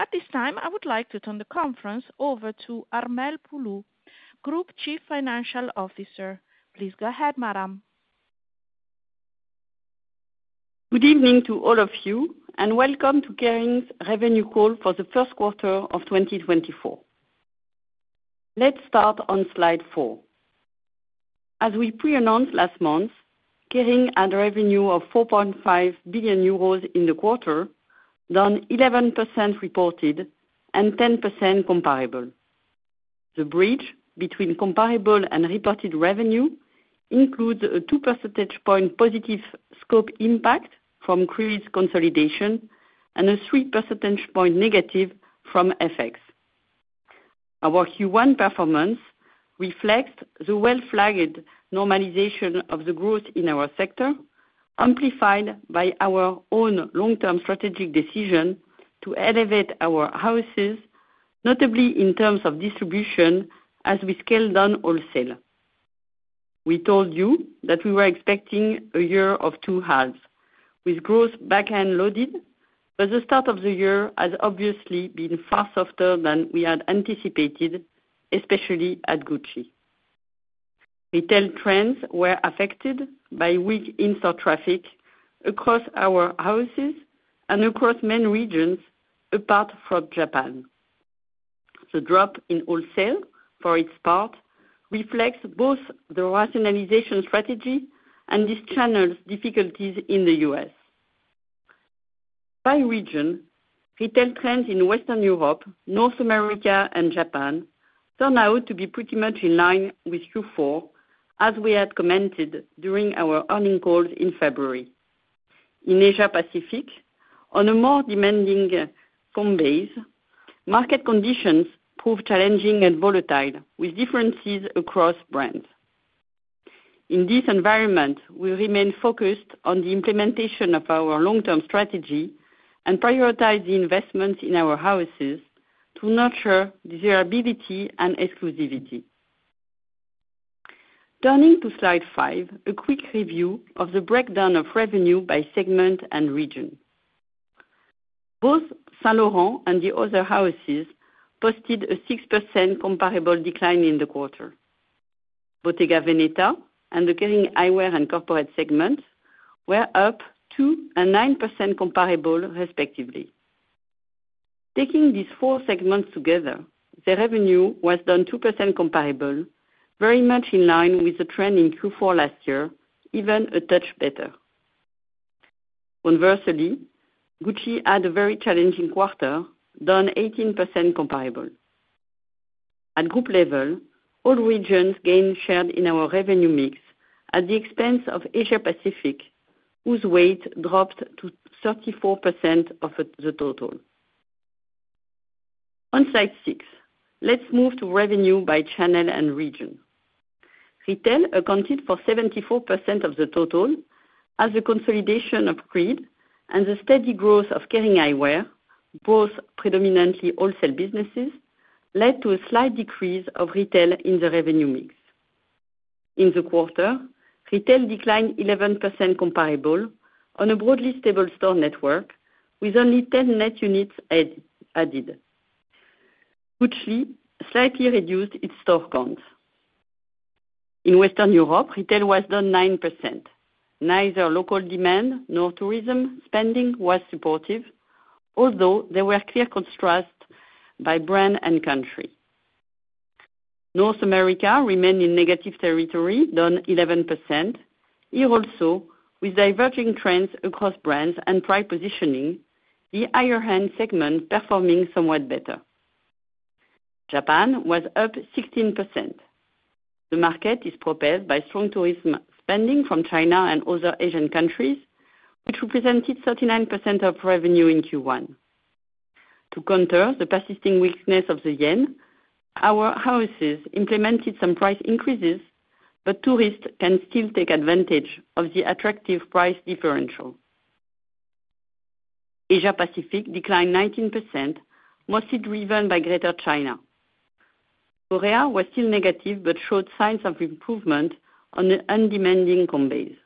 At this time I would like to turn the conference over to Armelle Poulou, Group Chief Financial Officer. Please go ahead, madam. Good evening to all of you, and welcome to Kering's Revenue Call for the first quarter of 2024. Let's start on slide four. As we pre-announced last month, Kering had revenue of 4.5 billion euros in the quarter, down 11% reported and 10% comparable. The bridge between comparable and reported revenue includes a 2 percentage point positive scope impact from Creed's consolidation and a 3 percentage point negative from FX. Our Q1 performance reflects the well-flagged normalization of the growth in our sector, amplified by our own long-term strategic decision to elevate our houses, notably in terms of distribution as we scale down wholesale. We told you that we were expecting a year of two halves, with growth back-end loaded, but the start of the year has obviously been far softer than we had anticipated, especially at Gucci. Retail trends were affected by weak in-store traffic across our houses and across main regions apart from Japan. The drop in wholesale, for its part, reflects both the rationalization strategy and this channel's difficulties in the U.S. By region, retail trends in Western Europe, North America, and Japan turn out to be pretty much in line with Q4, as we had commented during our earnings calls in February. In Asia-Pacific, on a more demanding comp base, market conditions prove challenging and volatile, with differences across brands. In this environment, we remain focused on the implementation of our long-term strategy and prioritize the investments in our houses to nurture desirability and exclusivity. Turning to slide five, a quick review of the breakdown of revenue by segment and region. Both Saint Laurent and the other houses posted a 6% comparable decline in the quarter. Bottega Veneta and the Kering Eyewear and corporate segment were up 2% and 9% comparable, respectively. Taking these four segments together, their revenue was down 2% comparable, very much in line with the trend in Q4 last year, even a touch better. Conversely, Gucci had a very challenging quarter, down 18% comparable. At group level, all regions gained share in our revenue mix at the expense of Asia-Pacific, whose weight dropped to 34% of the total. On slide six, let's move to revenue by channel and region. Retail accounted for 74% of the total, as the consolidation of Creed and the steady growth of Kering Eyewear, both predominantly wholesale businesses, led to a slight decrease of retail in the revenue mix. In the quarter, retail declined 11% comparable on a broadly stable store network, with only 10 net units added. Gucci slightly reduced its store count. In Western Europe, retail was down 9%. Neither local demand nor tourism spending was supportive, although there were clear contrasts by brand and country. North America remained in negative territory, down 11%. Here also, with diverging trends across brands and price positioning, the higher-end segment performed somewhat better. Japan was up 16%. The market is propelled by strong tourism spending from China and other Asian countries, which represented 39% of revenue in Q1. To counter the persisting weakness of the yen, our houses implemented some price increases, but tourists can still take advantage of the attractive price differential. Asia-Pacific declined 19%, mostly driven by Greater China. Korea was still negative but showed signs of improvement on the undemanding comp base.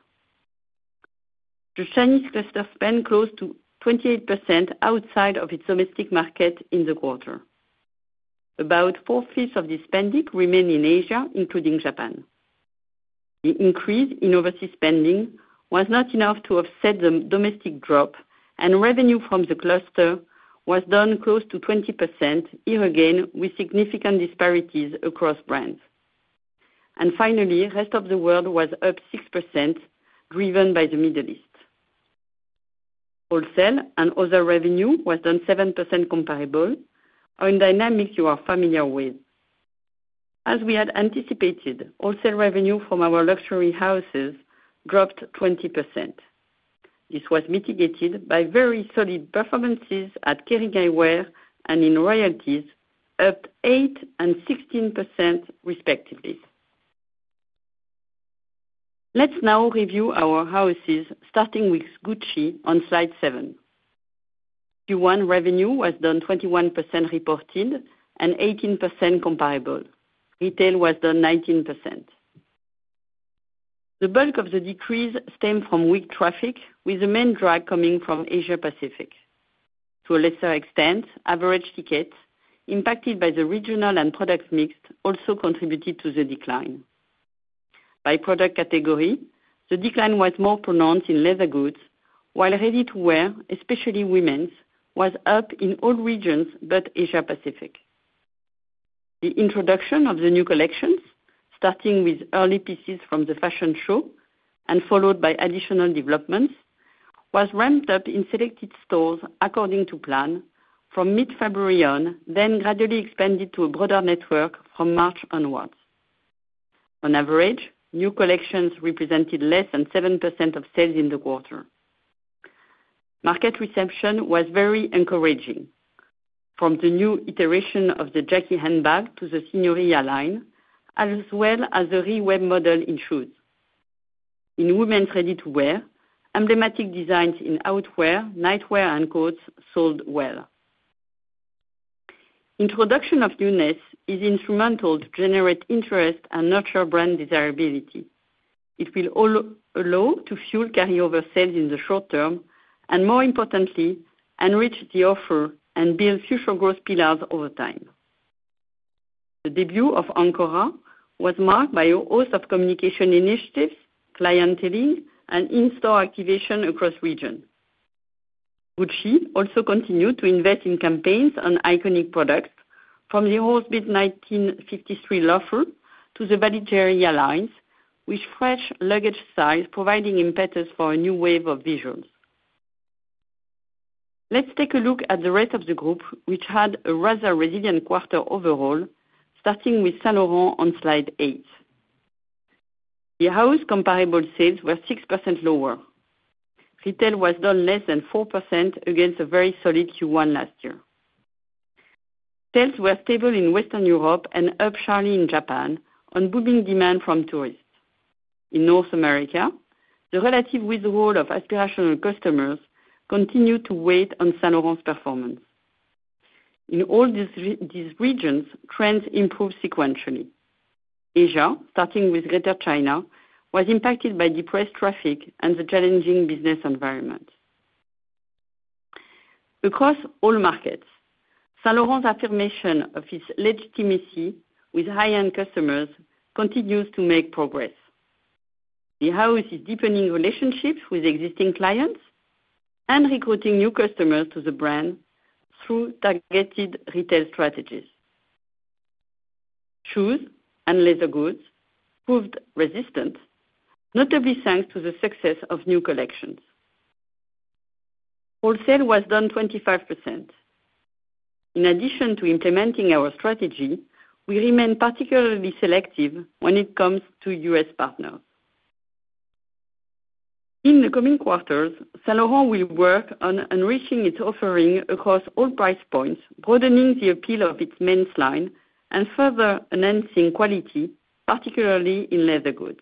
The Chinese cluster spent close to 28% outside of its domestic market in the quarter. About four-fifths of this spending remained in Asia, including Japan. The increase in overseas spending was not enough to offset the domestic drop, and revenue from the cluster was down close to 20%, here again with significant disparities across brands. Finally, the rest of the world was up 6%, driven by the Middle East. Wholesale and other revenue were down 7% comparable, on dynamics you are familiar with. As we had anticipated, wholesale revenue from our luxury houses dropped 20%. This was mitigated by very solid performances at Kering Eyewear and in royalties, up 8% and 16%, respectively. Let's now review our houses, starting with Gucci on slide seven. Q1 revenue was down 21% reported and 18% comparable. Retail was down 19%. The bulk of the decrease came from weak traffic, with the main drag coming from Asia-Pacific. To a lesser extent, average tickets, impacted by the regional and product mix, also contributed to the decline. By product category, the decline was more pronounced in leather goods, while ready-to-wear, especially women's, was up in all regions but Asia-Pacific. The introduction of the new collections, starting with early pieces from the fashion show and followed by additional developments, was ramped up in selected stores according to plan from mid-February on, then gradually expanded to a broader network from March onwards. On average, new collections represented less than 7% of sales in the quarter. Market reception was very encouraging, from the new iteration of the Jackie handbag to the Signoria line, as well as the Re-Web model in shoes. In women's ready-to-wear, emblematic designs in outerwear, nightwear, and coats sold well. Introduction of newness is instrumental to generate interest and nurture brand desirability. It will allow to fuel carryover sales in the short term and, more importantly, enrich the offer and build future growth pillars over time. The debut of Ancora was marked by a host of communication initiatives, clienteling, and in-store activation across regions. Gucci also continued to invest in campaigns on iconic products, from the Horsebit 1953 loafer to the Valigeria lines, with fresh luggage size providing impetus for a new wave of visuals. Let's take a look at the rest of the group, which had a rather resilient quarter overall, starting with Saint Laurent on slide eight. The house comparable sales were 6% lower. Retail was down less than 4% against a very solid Q1 last year. Sales were stable in Western Europe and up sharply in Japan, on booming demand from tourists. In North America, the relative withdrawal of aspirational customers continued to weigh on Saint Laurent's performance. In all these regions, trends improved sequentially. Asia, starting with Greater China, was impacted by depressed traffic and the challenging business environment. Across all markets, Saint Laurent's affirmation of its legitimacy with high-end customers continues to make progress. The house is deepening relationships with existing clients and recruiting new customers to the brand through targeted retail strategies. Shoes and leather goods proved resistant, notably thanks to the success of new collections. Wholesale was down 25%. In addition to implementing our strategy, we remain particularly selective when it comes to U.S. partners. In the coming quarters, Saint Laurent will work on enriching its offering across all price points, broadening the appeal of its men's line and further enhancing quality, particularly in leather goods.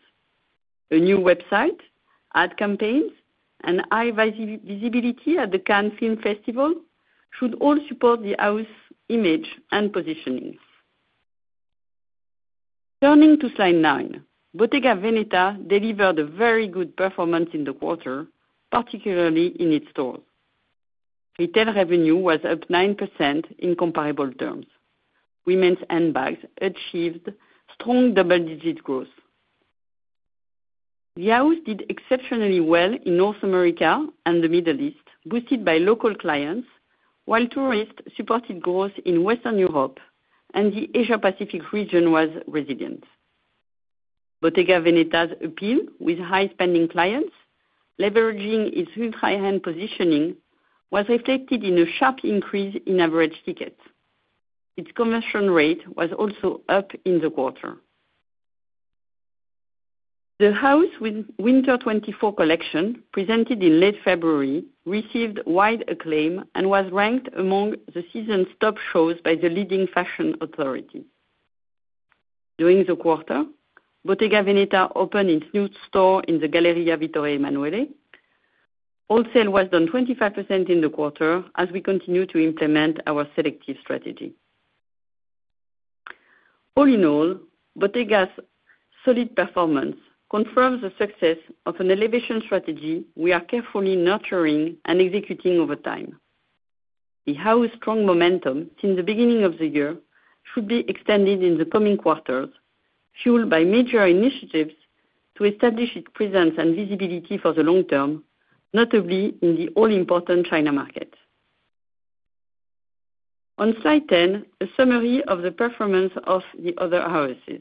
A new website, ad campaigns, and high visibility at the Cannes Film Festival should all support the house's image and positioning. Turning to slide nine, Bottega Veneta delivered a very good performance in the quarter, particularly in its stores. Retail revenue was up 9% in comparable terms. Women's handbags achieved strong double-digit growth. The house did exceptionally well in North America and the Middle East, boosted by local clients, while tourists supported growth in Western Europe, and the Asia-Pacific region was resilient. Bottega Veneta's appeal with high-spending clients, leveraging its ultra-hand positioning, was reflected in a sharp increase in average tickets. Its conversion rate was also up in the quarter. The house Winter 2024 collection, presented in late February, received wide acclaim and was ranked among the season's top shows by the leading fashion authority. During the quarter, Bottega Veneta opened its new store in the Galleria Vittorio Emanuele. Wholesale was down 25% in the quarter, as we continue to implement our selective strategy. All in all, Bottega's solid performance confirms the success of an elevation strategy we are carefully nurturing and executing over time. The house's strong momentum since the beginning of the year should be extended in the coming quarters, fueled by major initiatives to establish its presence and visibility for the long term, notably in the all-important China market. On slide 10, a summary of the performance of the other houses.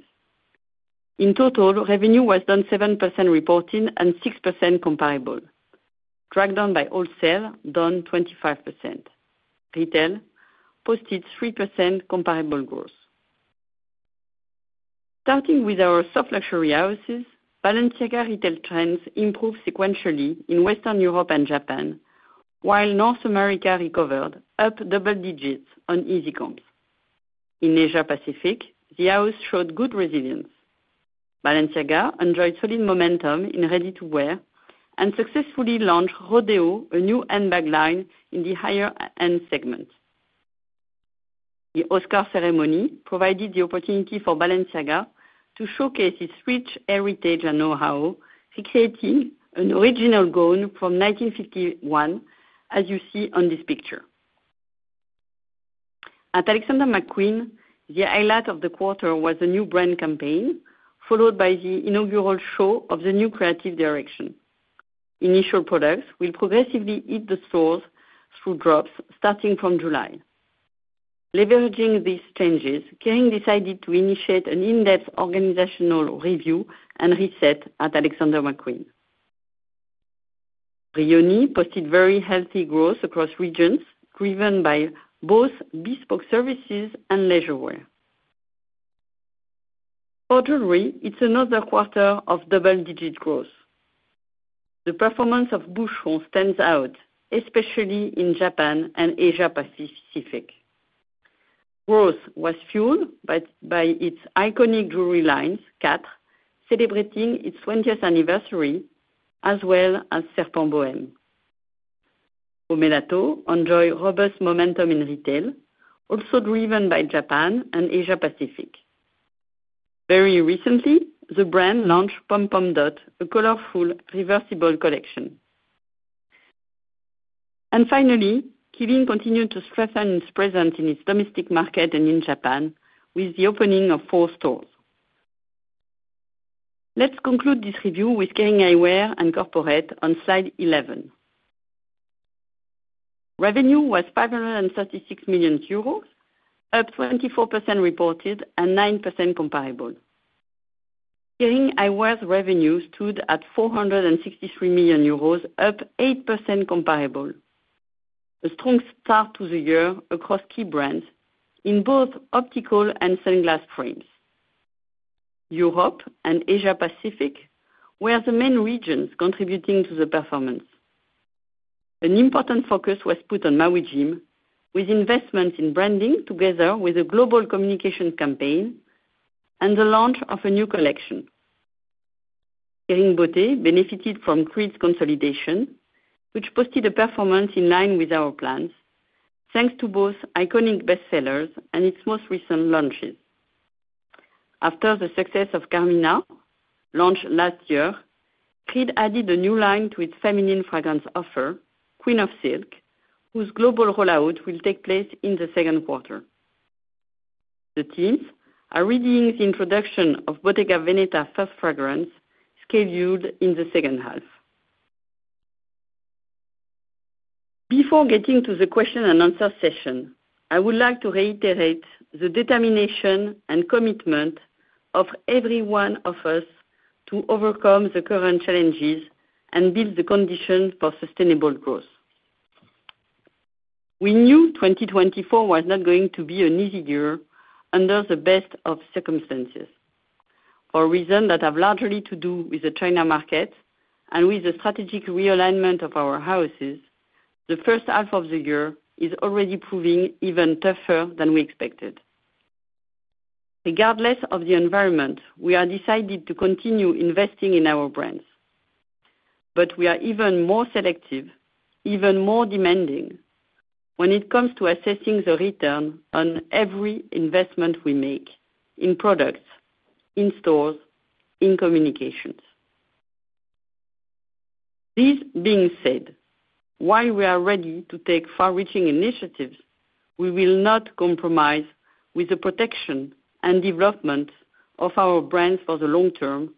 In total, revenue was down 7% reported and 6% comparable, dragged down by wholesale, down 25%. Retail posted 3% comparable growth. Starting with our soft luxury houses, Balenciaga retail trends improved sequentially in Western Europe and Japan, while North America recovered, up double digits on easy comps. In Asia-Pacific, the house showed good resilience. Balenciaga enjoyed solid momentum in ready-to-wear and successfully launched Rodeo, a new handbag line in the higher-end segment. The Oscar ceremony provided the opportunity for Balenciaga to showcase its rich heritage and know-how, recreating an original gown from 1951, as you see on this picture. At Alexander McQueen, the highlight of the quarter was the new brand campaign, followed by the inaugural show of the new creative direction. Initial products will progressively hit the stores through drops, starting from July. Leveraging these changes, Kering decided to initiate an in-depth organizational review and reset at Alexander McQueen. Brioni posted very healthy growth across regions, driven by both bespoke services and leisurewear. For jewelry, it's another quarter of double-digit growth. The performance of Boucheron stands out, especially in Japan and Asia-Pacific. Growth was fueled by its iconic jewelry lines, Quatre, celebrating its 20th anniversary, as well as Serpent Bohème. Pomellato enjoyed robust momentum in retail, also driven by Japan and Asia-Pacific. Very recently, the brand launched Pom Pom Dot, a colorful reversible collection. And finally, Qeelin continued to strengthen its presence in its domestic market and in Japan with the opening of four stores. Let's conclude this review with Kering Eyewear and Corporate on slide 11. Revenue was 536 million euros, up 24% reported and 9% comparable. Kering Eyewear's revenue stood at 463 million euros, up 8% comparable. A strong start to the year across key brands, in both optical and sunglasses frames. Europe and Asia-Pacific were the main regions contributing to the performance. An important focus was put on Maui Jim, with investments in branding together with a global communication campaign and the launch of a new collection. Kering Beauté benefited from Creed's consolidation, which posted a performance in line with our plans, thanks to both iconic bestsellers and its most recent launches. After the success of Carmina, launched last year, Creed added a new line to its feminine fragrance offer, Queen of Silk, whose global rollout will take place in the second quarter. The teams are readying the introduction of Bottega Veneta first fragrance, scheduled in the second half. Before getting to the question-and-answer session, I would like to reiterate the determination and commitment of every one of us to overcome the current challenges and build the conditions for sustainable growth. We knew 2024 was not going to be an easy year under the best of circumstances. For reasons that have largely to do with the China market and with the strategic realignment of our houses, the first half of the year is already proving even tougher than we expected. Regardless of the environment, we have decided to continue investing in our brands. But we are even more selective, even more demanding, when it comes to assessing the return on every investment we make in products, in stores, in communications. This being said, while we are ready to take far-reaching initiatives, we will not compromise with the protection and development of our brands for the long term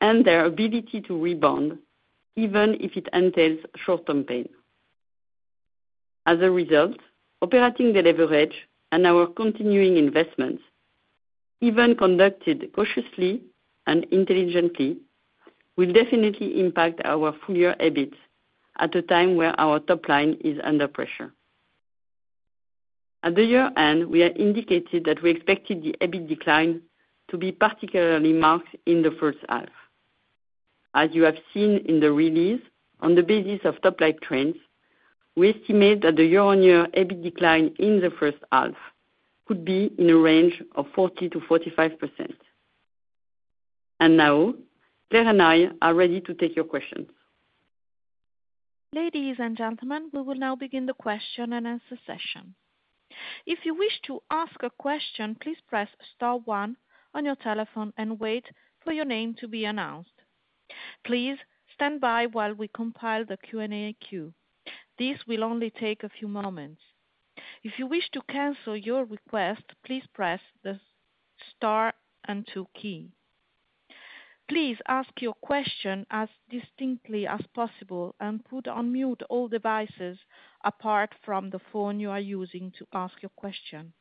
and their ability to rebound, even if it entails short-term pain. As a result, operating the leverage and our continuing investments, even conducted cautiously and intelligently, will definitely impact our full-year EBIT at a time where our top line is under pressure. At the year-end, we have indicated that we expected the EBIT decline to be particularly marked in the first half. As you have seen in the release, on the basis of top-line trends, we estimate that the year-on-year EBIT decline in the first half could be in a range of 40%-45%. Now, Claire and I are ready to take your questions. Ladies and gentlemen, we will now begin the question-and-answer session. If you wish to ask a question, please press star one on your telephone and wait for your name to be announced. Please stand by while we compile the Q&A queue. This will only take a few moments. If you wish to cancel your request, please press the star and two key. Please ask your question as distinctly as possible and put on mute all devices apart from the phone you are using to ask your question.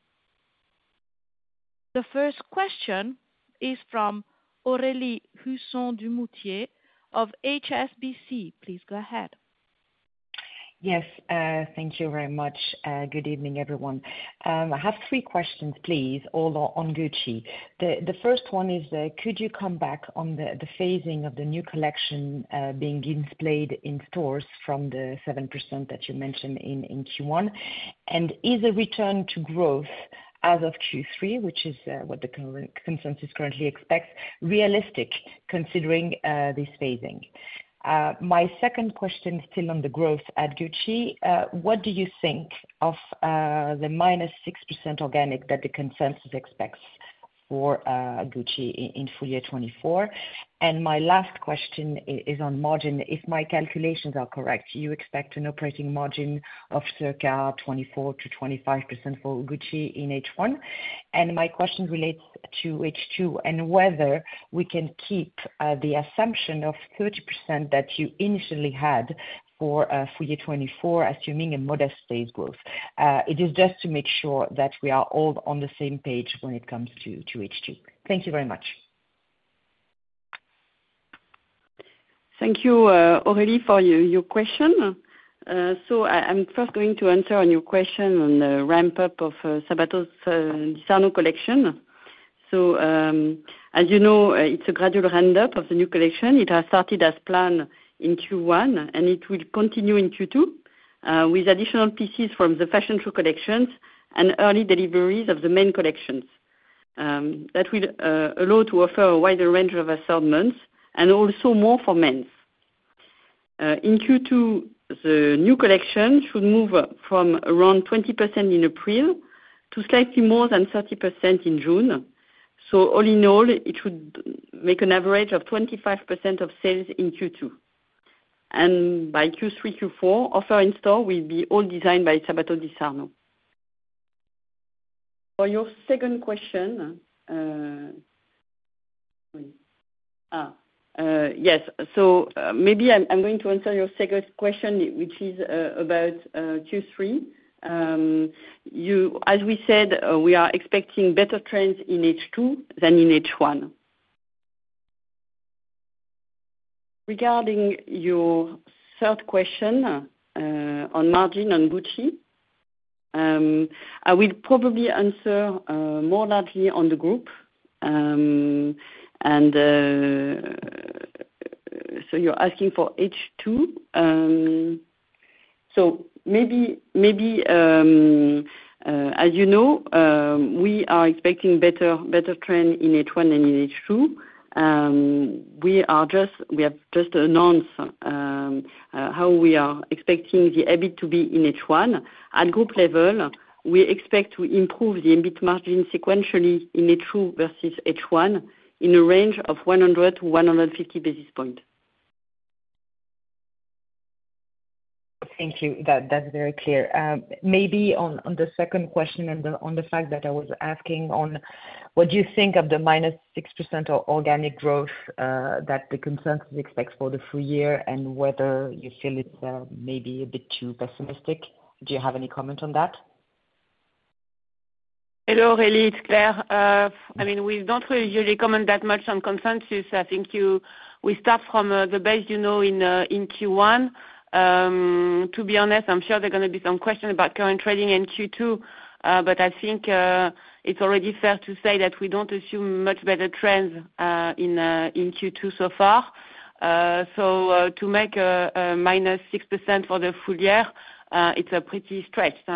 The first question is from Aurélie Husson-Dumoutier of HSBC. Please go ahead. Yes. Thank you very much. Good evening, everyone. I have three questions, please, all on Gucci. The first one is, could you come back on the phasing of the new collection being displayed in stores from the 7% that you mentioned in Q1? Is a return to growth as of Q3, which is what the consensus currently expects, realistic considering this phasing? My second question, still on the growth at Gucci, what do you think of the -6% organic that the consensus expects for Gucci in full year 2024? And my last question is on margin. If my calculations are correct, you expect an operating margin of circa 24%-25% for Gucci in H1. And my question relates to H2 and whether we can keep the assumption of 30% that you initially had for full year 2024, assuming a modest phase growth. It is just to make sure that we are all on the same page when it comes to H2. Thank you very much. Thank you, Aurélie, for your question. So I'm first going to answer your question on the ramp-up of Sabato De Sarno collection. So as you know, it's a gradual ramp-up of the new collection. It has started as planned in Q1, and it will continue in Q2 with additional pieces from the Fashion Show collections and early deliveries of the main collections. That will allow to offer a wider range of assortments and also more for men's. In Q2, the new collection should move from around 20% in April to slightly more than 30% in June. So all in all, it should make an average of 25% of sales in Q2. And by Q3, Q4, offer in store will be all designed by Sabato De Sarno. For your second question, yes. So maybe I'm going to answer your second question, which is about Q3. As we said, we are expecting better trends in H2 than in H1. Regarding your third question on margin on Gucci, I will probably answer more largely on the group. And so you're asking for H2. So maybe, as you know, we are expecting better trend in H1 than in H2. We have just announced how we are expecting the EBIT to be in H1. At group level, we expect to improve the EBIT margin sequentially in H2 versus H1 in a range of 100-150 basis points. Thank you. That's very clear. Maybe on the second question and on the fact that I was asking on what do you think of the -6% organic growth that the consensus expects for the full year and whether you feel it's maybe a bit too pessimistic? Do you have any comment on that? Hello, Aurélie. It's Claire. I mean, we don't usually comment that much on consensus. I think we start from the base in Q1. To be honest, I'm sure there are going to be some questions about current trading in Q2, but I think it's already fair to say that we don't assume much better trends in Q2 so far. So to make -6% for the full year, it's pretty stretched.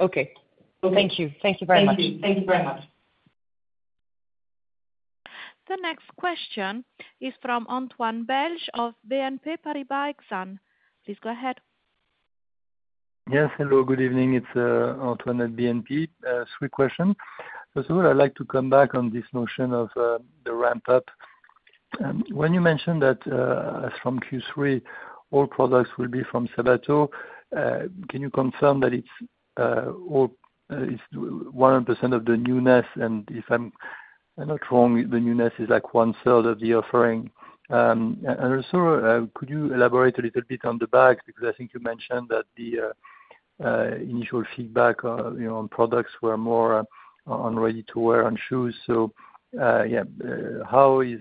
Okay. Thank you. Thank you very much. Thank you. Thank you very much. The next question is from Antoine Belge of BNP Paribas Exane. Please go ahead. Yes. Hello. Good evening. It's Antoine at BNP. Three questions. First of all, I'd like to come back on this notion of the ramp-up. When you mentioned that from Q3, all products will be from Sabato, can you confirm that it's 100% of the newness? And if I'm not wrong, the newness is 1/3 of the offering. And also, could you elaborate a little bit on the bags? Because I think you mentioned that the initial feedback on products was more on ready-to-wear and shoes. So yeah, how is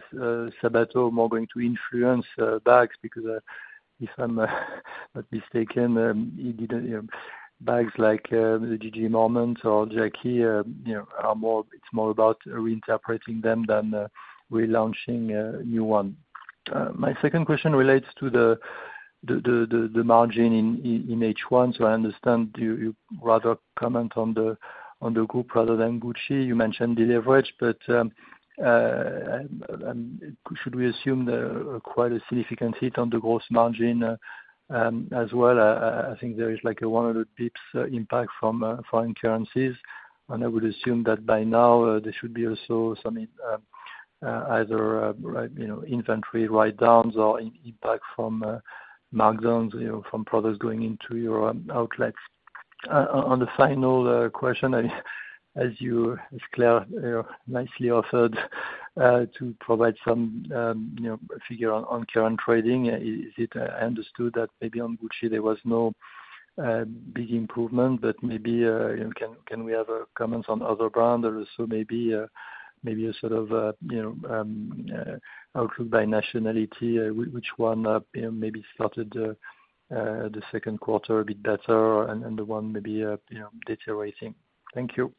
Sabato more going to influence bags? Because if I'm not mistaken, bags like the GG Marmont or Jackie, it's more about reinterpreting them than relaunching new ones. My second question relates to the margin in H1. So I understand you'd rather comment on the group rather than Gucci. You mentioned the leverage, but should we assume quite a significant hit on the gross margin as well? I think there is a 100 bps impact from foreign currencies. And I would assume that by now, there should be also some either inventory write-downs or impact from markdowns from products going into your outlets. On the final question, as Claire nicely offered to provide some figures on current trading, I understood that maybe on Gucci, there was no big improvement. But maybe can we have comments on other brands? And also maybe a sort of outlook by nationality, which one maybe started the second quarter a bit better and the one maybe deteriorating? Thank you.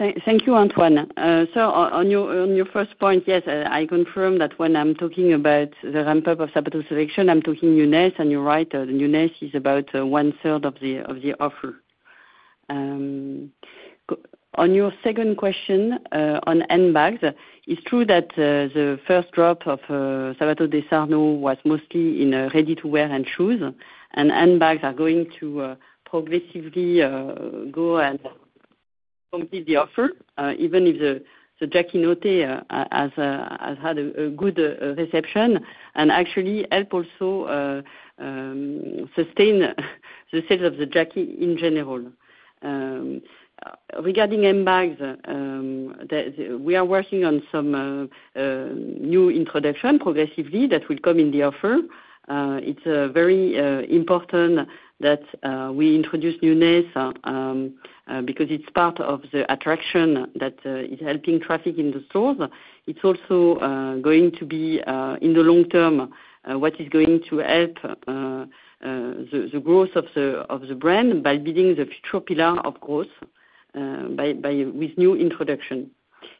Thank you, Antoine. So on your first point, yes, I confirm that when I'm talking about the ramp-up of Sabato's selection, I'm talking newness. And you're right. The newness is about 1/3 of the offer. On your second question on handbags, it's true that the first drop of Sabato De Sarno was mostly in ready-to-wear and shoes. Handbags are going to progressively go and complete the offer, even if the Jackie Notte has had a good reception and actually help also sustain the sales of the Jackie in general. Regarding handbags, we are working on some new introduction progressively that will come in the offer. It's very important that we introduce newness because it's part of the attraction that is helping traffic in the stores. It's also going to be, in the long term, what is going to help the growth of the brand by building the future pillar of growth with new introduction.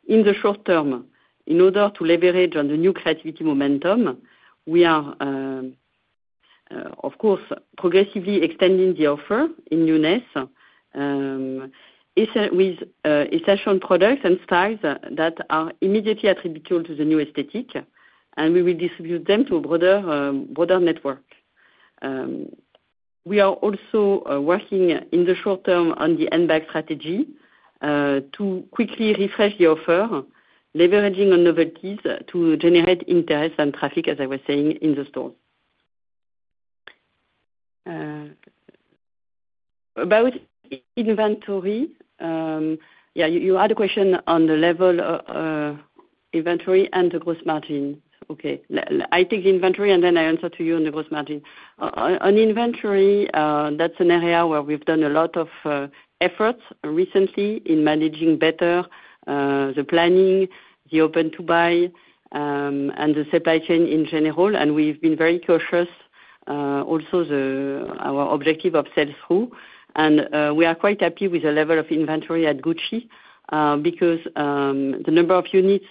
In the short term, in order to leverage on the new creativity momentum, we are, of course, progressively extending the offer in newness with essential products and styles that are immediately attributable to the new aesthetic. And we will distribute them to a broader network. We are also working, in the short term, on the handbag strategy to quickly refresh the offer, leveraging on novelties to generate interest and traffic, as I was saying, in the stores. About inventory, yeah, you had a question on the level of inventory and the gross margin. Okay. I take the inventory, and then I answer to you on the gross margin. On inventory, that's an area where we've done a lot of efforts recently in managing better the planning, the open-to-buy, and the supply chain in general. And we've been very cautious also with our objective of sell-through. And we are quite happy with the level of inventory at Gucci because the number of units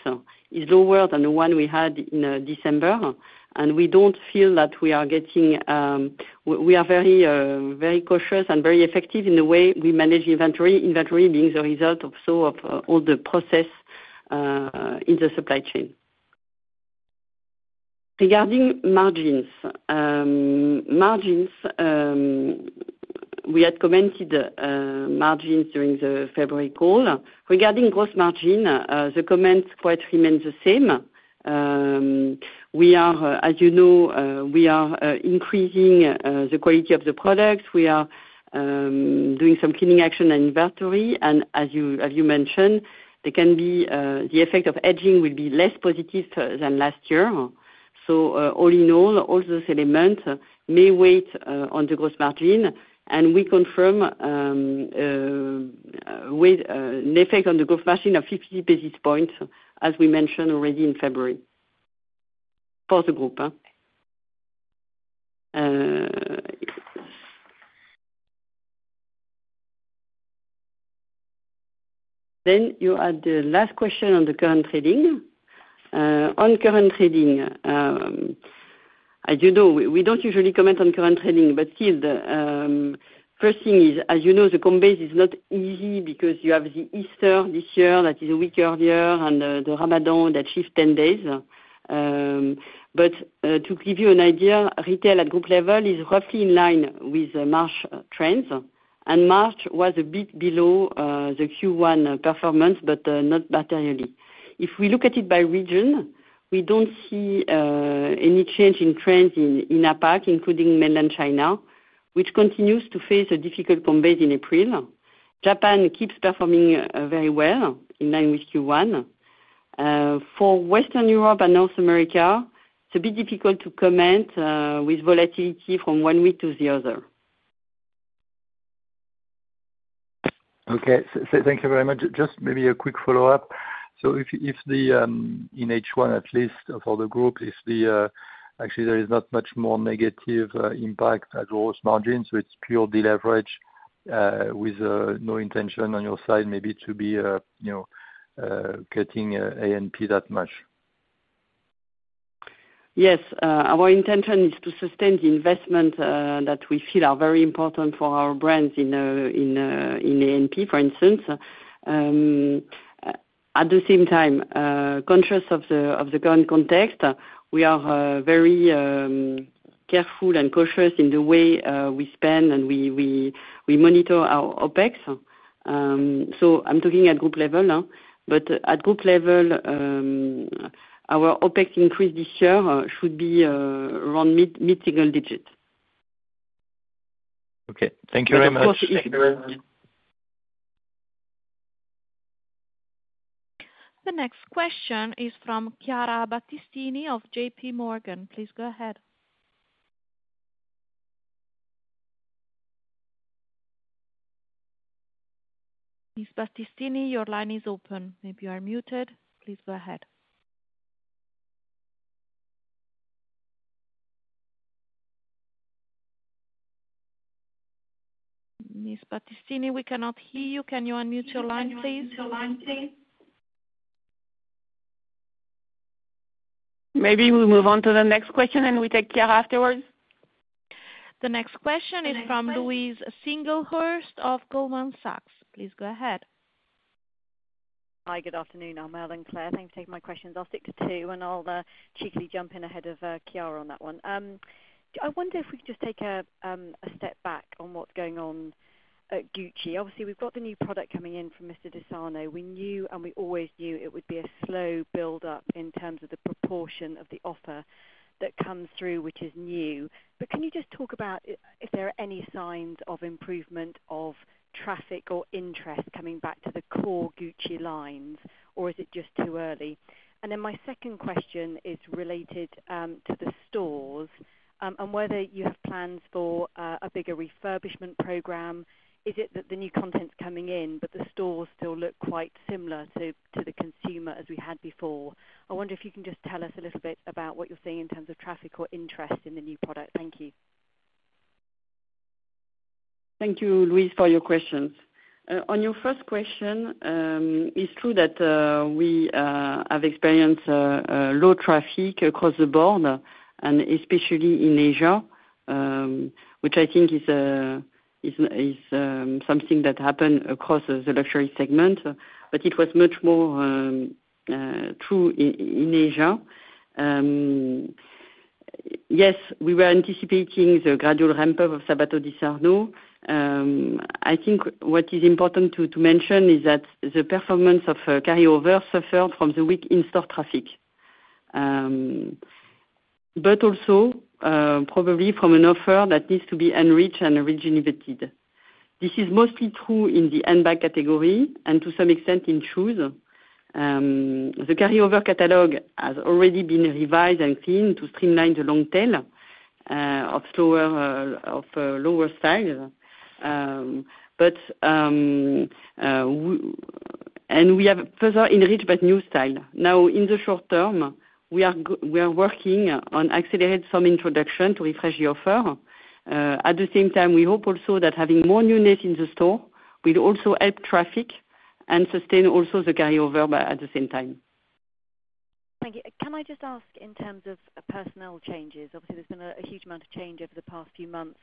is lower than the one we had in December. And we don't feel that we are very cautious and very effective in the way we manage inventory, inventory being the result also of all the process in the supply chain. Regarding margins, we had commented on margins during the February call. Regarding gross margin, the comments quite remain the same. As you know, we are increasing the quality of the products. We are doing some cleaning action and inventory. And as you mentioned, the effect of hedging will be less positive than last year. So all in all, all those elements may weigh on the gross margin. And we confirm an effect on the gross margin of 50 basis points, as we mentioned already in February for the group. Then you had the last question on the current trading. On current trading, as you know, we don't usually comment on current trading. But still, the first thing is, as you know, the comps base is not easy because you have the Easter this year that is a week earlier and the Ramadan that shifts 10 days. But to give you an idea, retail at group level is roughly in line with March trends. And March was a bit below the Q1 performance but not materially. If we look at it by region, we don't see any change in trends in APAC, including mainland China, which continues to face a difficult comps base in April. Japan keeps performing very well in line with Q1. For Western Europe and North America, it's a bit difficult to comment with volatility from one week to the other. Okay. Thank you very much. Just maybe a quick follow-up. So in H1, at least for the group, actually, there is not much more negative impact at gross margin. So it's pure deleverage with no intention on your side maybe to be cutting A&P that much. Yes. Our intention is to sustain the investment that we feel are very important for our brands in A&P, for instance. At the same time, conscious of the current context, we are very careful and cautious in the way we spend and we monitor our OpEx. So I'm talking at group level. But at group level, our OpEx increase this year should be around mid-single digit. Okay. Thank you very much. Thank you very much. The next question is from Chiara Battistini of JPMorgan. Please go ahead. Ms. Battistini, your line is open. Maybe you are muted. Please go ahead. Ms. Battistini, we cannot hear you. Can you unmute your line, please? Maybe we move on to the next question, and we take Chiara afterwards. The next question is from Louise Singlehurst of Goldman Sachs. Please go ahead. Hi. Good afternoon. Thank you, Claire. Thanks for taking my questions. I'll stick to two, and I'll cheekily jump in ahead of Chiara on that one. I wonder if we could just take a step back on what's going on at Gucci. Obviously, we've got the new product coming in from Mr. De Sarno. We knew, and we always knew, it would be a slow buildup in terms of the proportion of the offer that comes through, which is new. But can you just talk about if there are any signs of improvement of traffic or interest coming back to the core Gucci lines, or is it just too early? And then my second question is related to the stores and whether you have plans for a bigger refurbishment program. Is it that the new content's coming in, but the stores still look quite similar to the consumer as we had before? I wonder if you can just tell us a little bit about what you're seeing in terms of traffic or interest in the new product. Thank you. Thank you, Louise, for your questions. On your first question, it's true that we have experienced low traffic across the board, and especially in Asia, which I think is something that happened across the luxury segment. It was much more true in Asia. Yes, we were anticipating the gradual ramp-up of Sabato De Sarno. I think what is important to mention is that the performance of carryover suffered from the weak in-store traffic, but also probably from an offer that needs to be enriched and regenerated. This is mostly true in the handbag category and, to some extent, in shoes. The carryover catalog has already been revised and cleaned to streamline the long tail of lower styles. We have further enriched but new style. Now, in the short term, we are working on accelerating some introduction to refresh the offer. At the same time, we hope also that having more newness in the store will also help traffic and sustain also the carryover at the same time. Thank you. Can I just ask, in terms of personnel changes? Obviously, there's been a huge amount of change over the past few months.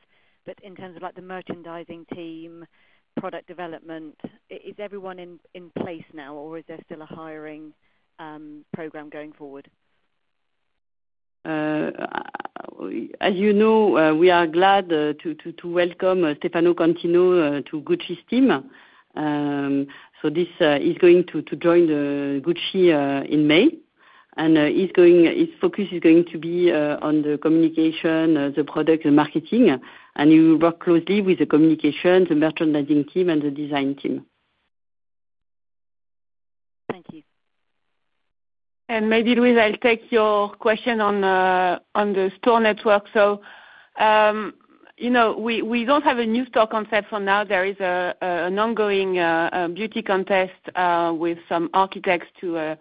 In terms of the merchandising team, product development, is everyone in place now, or is there still a hiring program going forward? As you know, we are glad to welcome Stefano Cantino to Gucci's team. He's going to join Gucci in May. His focus is going to be on the communication, the product, the marketing. He will work closely with the communication, the merchandising team, and the design team. Thank you. Maybe, Louise, I'll take your question on the store network. So we don't have a new store concept for now. There is an ongoing beauty contest with some architects to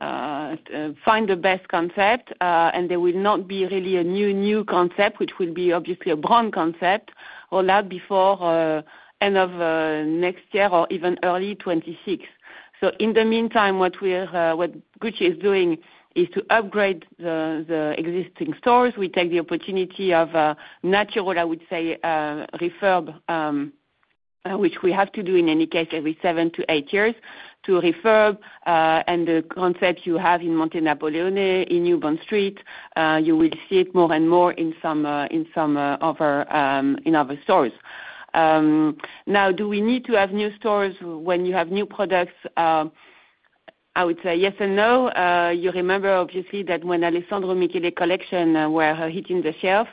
find the best concept. There will not be really a new concept, which will be obviously a brand concept, allowed before end of next year or even early 2026. In the meantime, what Gucci is doing is to upgrade the existing stores. We take the opportunity of natural, I would say, refurb, which we have to do in any case every seven to eight years, to refurb. The concept you have in Monte Napoleone, in New Bond Street, you will see it more and more in some of our stores. Now, do we need to have new stores when you have new products? I would say yes and no. You remember, obviously, that when Alessandro Michele collection were hitting the shelves,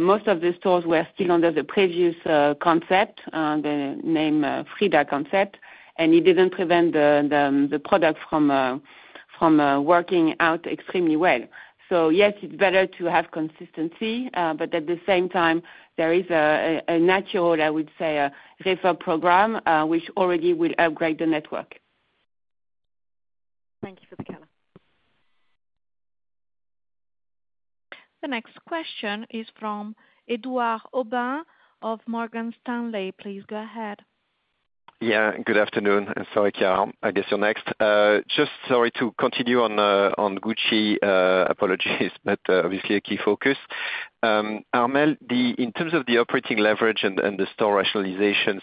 most of the stores were still under the previous concept, the name Frida concept. And it didn't prevent the product from working out extremely well. So yes, it's better to have consistency. But at the same time, there is a natural, I would say, refurb program, which already will upgrade the network. Thank you for the color. The next question is from Édouard Aubin of Morgan Stanley. Please go ahead. Yeah. Good afternoon. And sorry, Chiara. I guess you're next. Just sorry to continue on Gucci. Apologies, but obviously, a key focus. Armelle, in terms of the operating leverage and the store rationalization,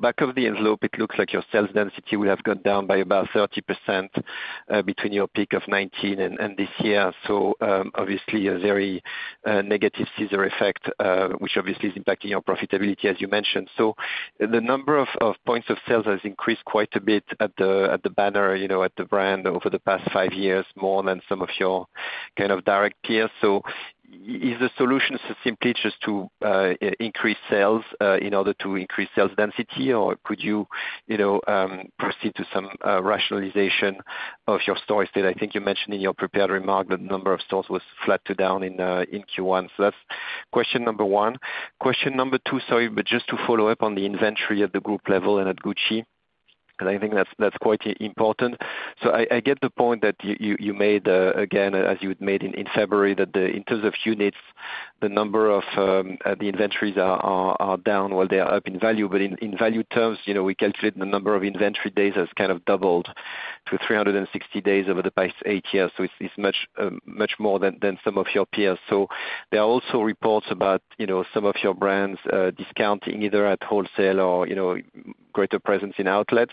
back of the envelope, it looks like your sales density will have gone down by about 30% between your peak of 2019 and this year. Obviously, a very negative scissor effect, which obviously is impacting your profitability, as you mentioned. The number of points of sales has increased quite a bit at the banner, at the brand, over the past five years, more than some of your kind of direct peers. Is the solution simply just to increase sales in order to increase sales density, or could you proceed to some rationalization of your store? I think you mentioned in your prepared remark that the number of stores was flattened down in Q1. That's question number one. Question two, sorry, but just to follow up on the inventory at the group level and at Gucci. Because I think that's quite important. So I get the point that you made, again, as you had made in February, that in terms of units, the number of the inventories are down while they are up in value. But in value terms, we calculate the number of inventory days as kind of doubled to 360 days over the past eight years. So it's much more than some of your peers. So there are also reports about some of your brands discounting either at wholesale or greater presence in outlets.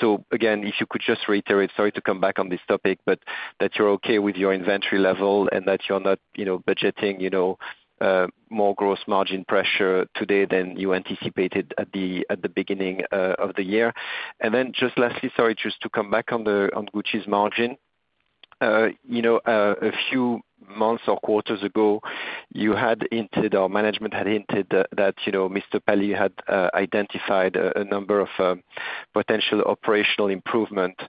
So again, if you could just reiterate—sorry to come back on this topic—but that you're okay with your inventory level and that you're not budgeting more gross margin pressure today than you anticipated at the beginning of the year. And then just lastly, sorry, just to come back on Gucci's margin, a few months or quarters ago, you had hinted or management had hinted that Mr. Palus had identified a number of potential operational improvements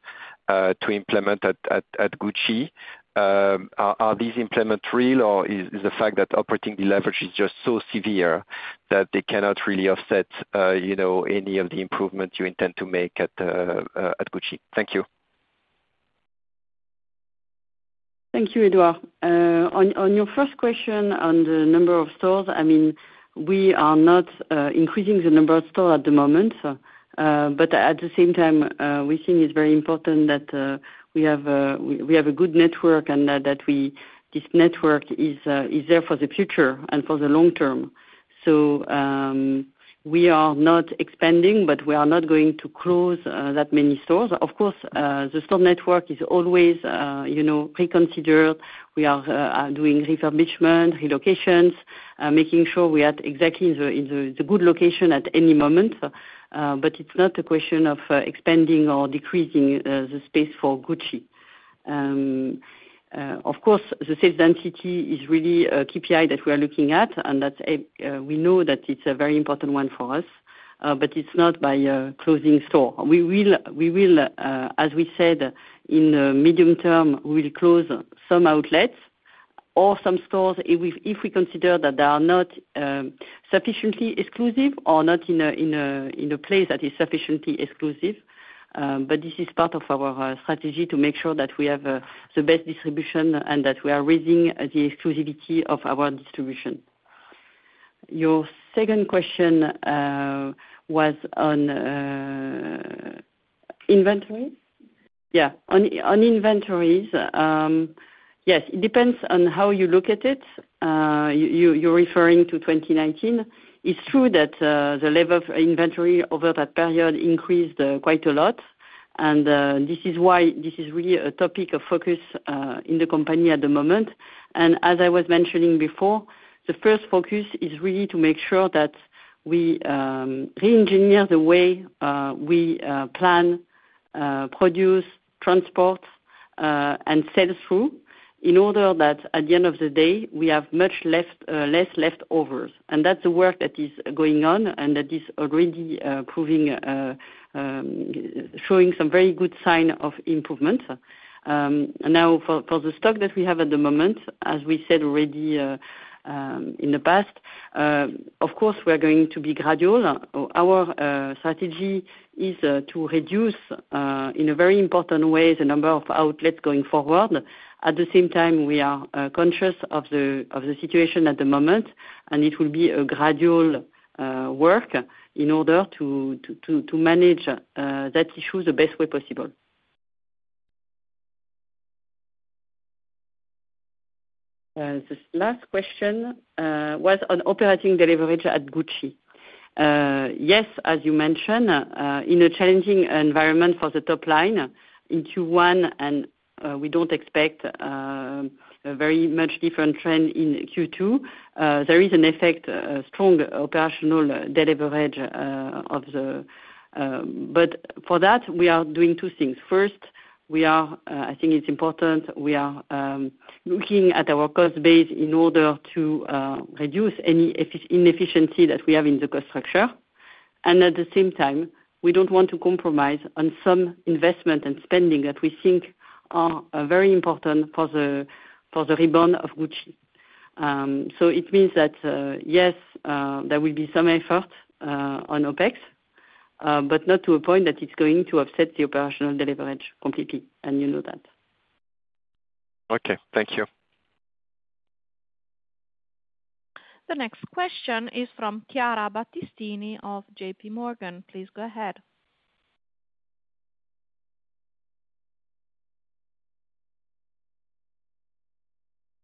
to implement at Gucci. Are these implements real, or is the fact that operating leverage is just so severe that they cannot really offset any of the improvements you intend to make at Gucci? Thank you. Thank you, Édouard. On your first question on the number of stores, I mean, we are not increasing the number of stores at the moment. But at the same time, we think it's very important that we have a good network and that this network is there for the future and for the long term. So we are not expanding, but we are not going to close that many stores. Of course, the store network is always reconsidered. We are doing refurbishment, relocations, making sure we are exactly in the good location at any moment. But it's not a question of expanding or decreasing the space for Gucci. Of course, the sales density is really a KPI that we are looking at. And we know that it's a very important one for us. But it's not by closing store. As we said, in the medium term, we will close some outlets or some stores if we consider that they are not sufficiently exclusive or not in a place that is sufficiently exclusive. But this is part of our strategy to make sure that we have the best distribution and that we are raising the exclusivity of our distribution. Your second question was on inventory. Yeah. On inventories, yes, it depends on how you look at it. You're referring to 2019. It's true that the level of inventory over that period increased quite a lot. This is why this is really a topic of focus in the company at the moment. As I was mentioning before, the first focus is really to make sure that we re-engineer the way we plan, produce, transport, and sell through in order that, at the end of the day, we have less leftovers. That's the work that is going on, and that is already showing some very good sign of improvement. Now, for the stock that we have at the moment, as we said already in the past, of course, we are going to be gradual. Our strategy is to reduce, in a very important way, the number of outlets going forward. At the same time, we are conscious of the situation at the moment. It will be a gradual work in order to manage that issue the best way possible. This last question was on operating leverage at Gucci. Yes, as you mentioned, in a challenging environment for the top line in Q1, and we don't expect a very much different trend in Q2, there is an effect, strong operational leverage, but for that, we are doing two things. First, I think it's important we are looking at our cost base in order to reduce any inefficiency that we have in the cost structure. At the same time, we don't want to compromise on some investment and spending that we think are very important for the reborn of Gucci. It means that, yes, there will be some effort on OpEx, but not to a point that it's going to offset the operational deleverage completely. You know that. Okay. Thank you. The next question is from Chiara Battistini of JPMorgan. Please go ahead.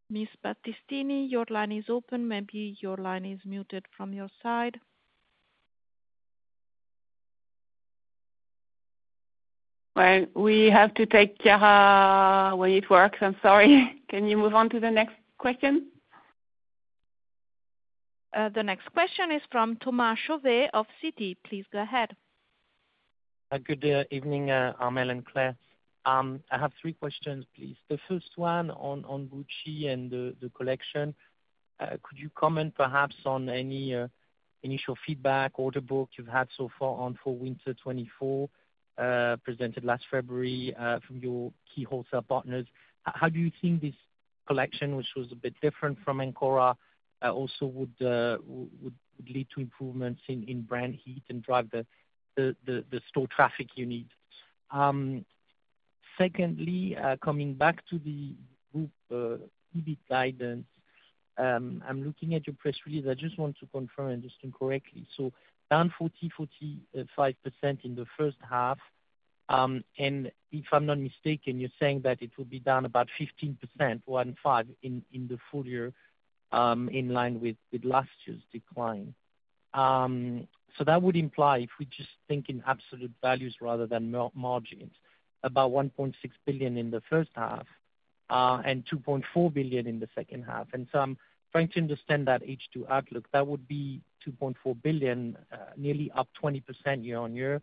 Miss Battistini, your line is open. Maybe your line is muted from your side. Well, we have to take Chiara when it works. I'm sorry. Can you move on to the next question? The next question is from Thomas Chauvet of Citi. Please go ahead. Good evening, Armelle and Claire. I have three questions, please. The first one on Gucci and the collection, could you comment perhaps on any initial feedback or the book you've had so far on Fall/Winter 2024 presented last February from your key wholesale partners? How do you think this collection, which was a bit different from Ancora, also would lead to improvements in brand heat and drive the store traffic you need? Secondly, coming back to the group EBIT guidance, I'm looking at your press release. I just want to confirm and just incorrectly. So down 40%-45% in the first half. And if I'm not mistaken, you're saying that it will be down about 15%, 1.5, in the full year in line with last year's decline. So that would imply, if we're just thinking absolute values rather than margins, about 1.6 billion in the first half and 2.4 billion in the second half. And so I'm trying to understand that H2 outlook. That would be 2.4 billion, nearly up 20% year-on-year.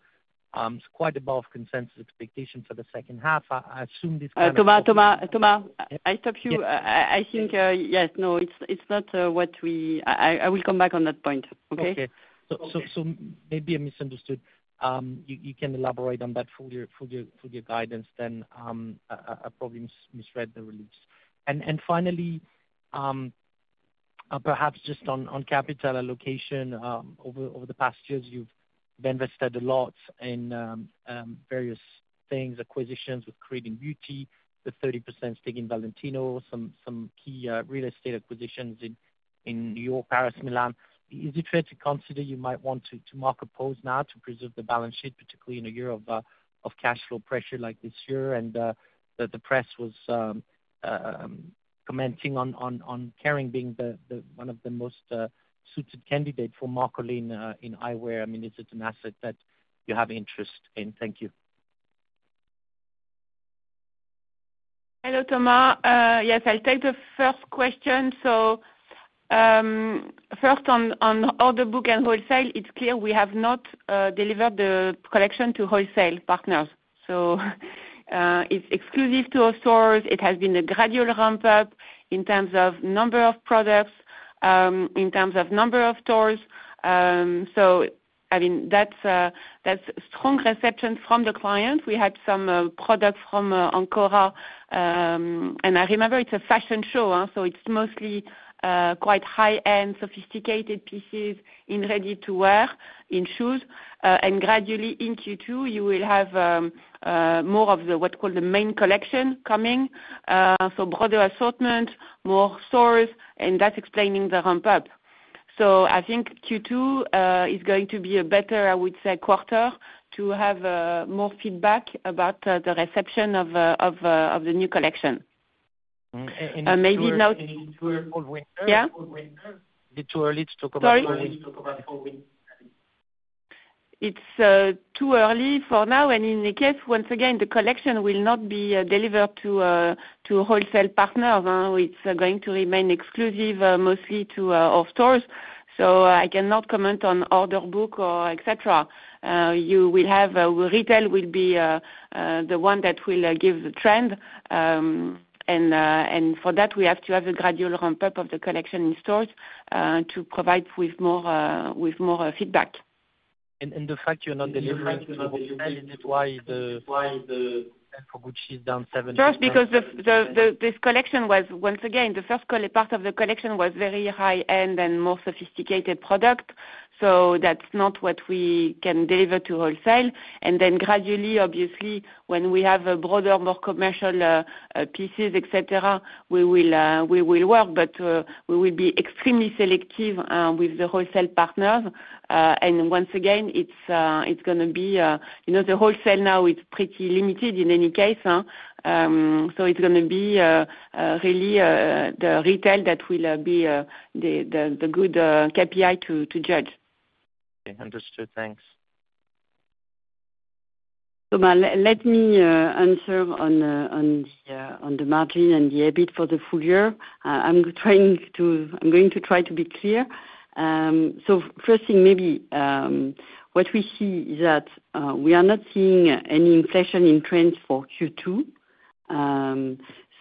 It's quite above consensus expectation for the second half. I assume this kind of. Thomas, Thomas, Thomas, I stopped you. I think, yes, no, it's not what we I will come back on that point, okay? Okay. So maybe I misunderstood. You can elaborate on that full year guidance, then I probably misread the release. And finally, perhaps just on capital allocation, over the past years, you've invested a lot in various things, acquisitions with Creed & Beauty, the 30% stake in Valentino, some key real estate acquisitions in New York, Paris, Milan. Is it fair to consider you might want to mark a pause now to preserve the balance sheet, particularly in a year of cash flow pressure like this year? The press was commenting on Kering being one of the most suited candidates for Marcolin in eyewear. I mean, is it an asset that you have interest in? Thank you. Hello, Thomas. Yes, I'll take the first question. So first, on order book and wholesale, it's clear we have not delivered the collection to wholesale partners. So it's exclusive to our stores. It has been a gradual ramp-up in terms of number of products, in terms of number of stores. So I mean, that's strong reception from the client. We had some product from Ancora. And I remember it's a fashion show, so it's mostly quite high-end, sophisticated pieces in ready-to-wear, in shoes. And gradually, in Q2, you will have more of what's called the main collection coming, so broader assortment, more stores. And that's explaining the ramp-up. So I think Q2 is going to be a better, I would say, quarter to have more feedback about the reception of the new collection. And maybe now. Is it too early for winter? Yeah? Is it too early to talk about for winter? Sorry. It's too early for now. And in the case, once again, the collection will not be delivered to wholesale partners. It's going to remain exclusive mostly to our stores. So I cannot comment on order book or etc. Retail will be the one that will give the trend. And for that, we have to have a gradual ramp-up of the collection in stores to provide with more feedback. And the fact you're not delivering to retail, is it why the for Gucci is down 7%? First, because this collection was once again, the first part of the collection was very high-end and more sophisticated product. So that's not what we can deliver to wholesale. And then gradually, obviously, when we have broader, more commercial pieces, etc., we will work. But we will be extremely selective with the wholesale partners. And once again, it's going to be the wholesale now is pretty limited in any case. So it's going to be really the retail that will be the good KPI to judge. Okay. Understood. Thanks. Thomas, let me answer on the margin and the EBIT for the full year. I'm trying to I'm going to try to be clear. So first thing, maybe what we see is that we are not seeing any inflation in trends for Q2.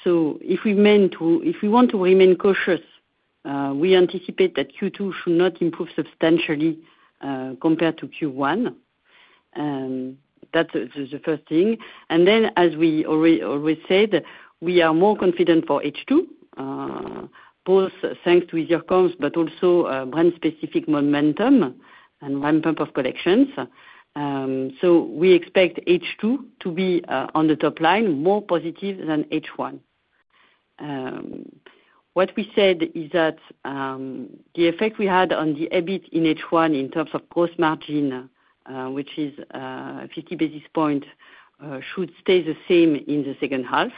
So if we want to remain cautious, we anticipate that Q2 should not improve substantially compared to Q1. That's the first thing. And then, as we already said, we are more confident for H2, both thanks to easier comms but also brand-specific momentum and ramp-up of collections. So we expect H2 to be on the top line, more positive than H1. What we said is that the effect we had on the EBIT in H1 in terms of gross margin, which is 50 basis points, should stay the same in the second half.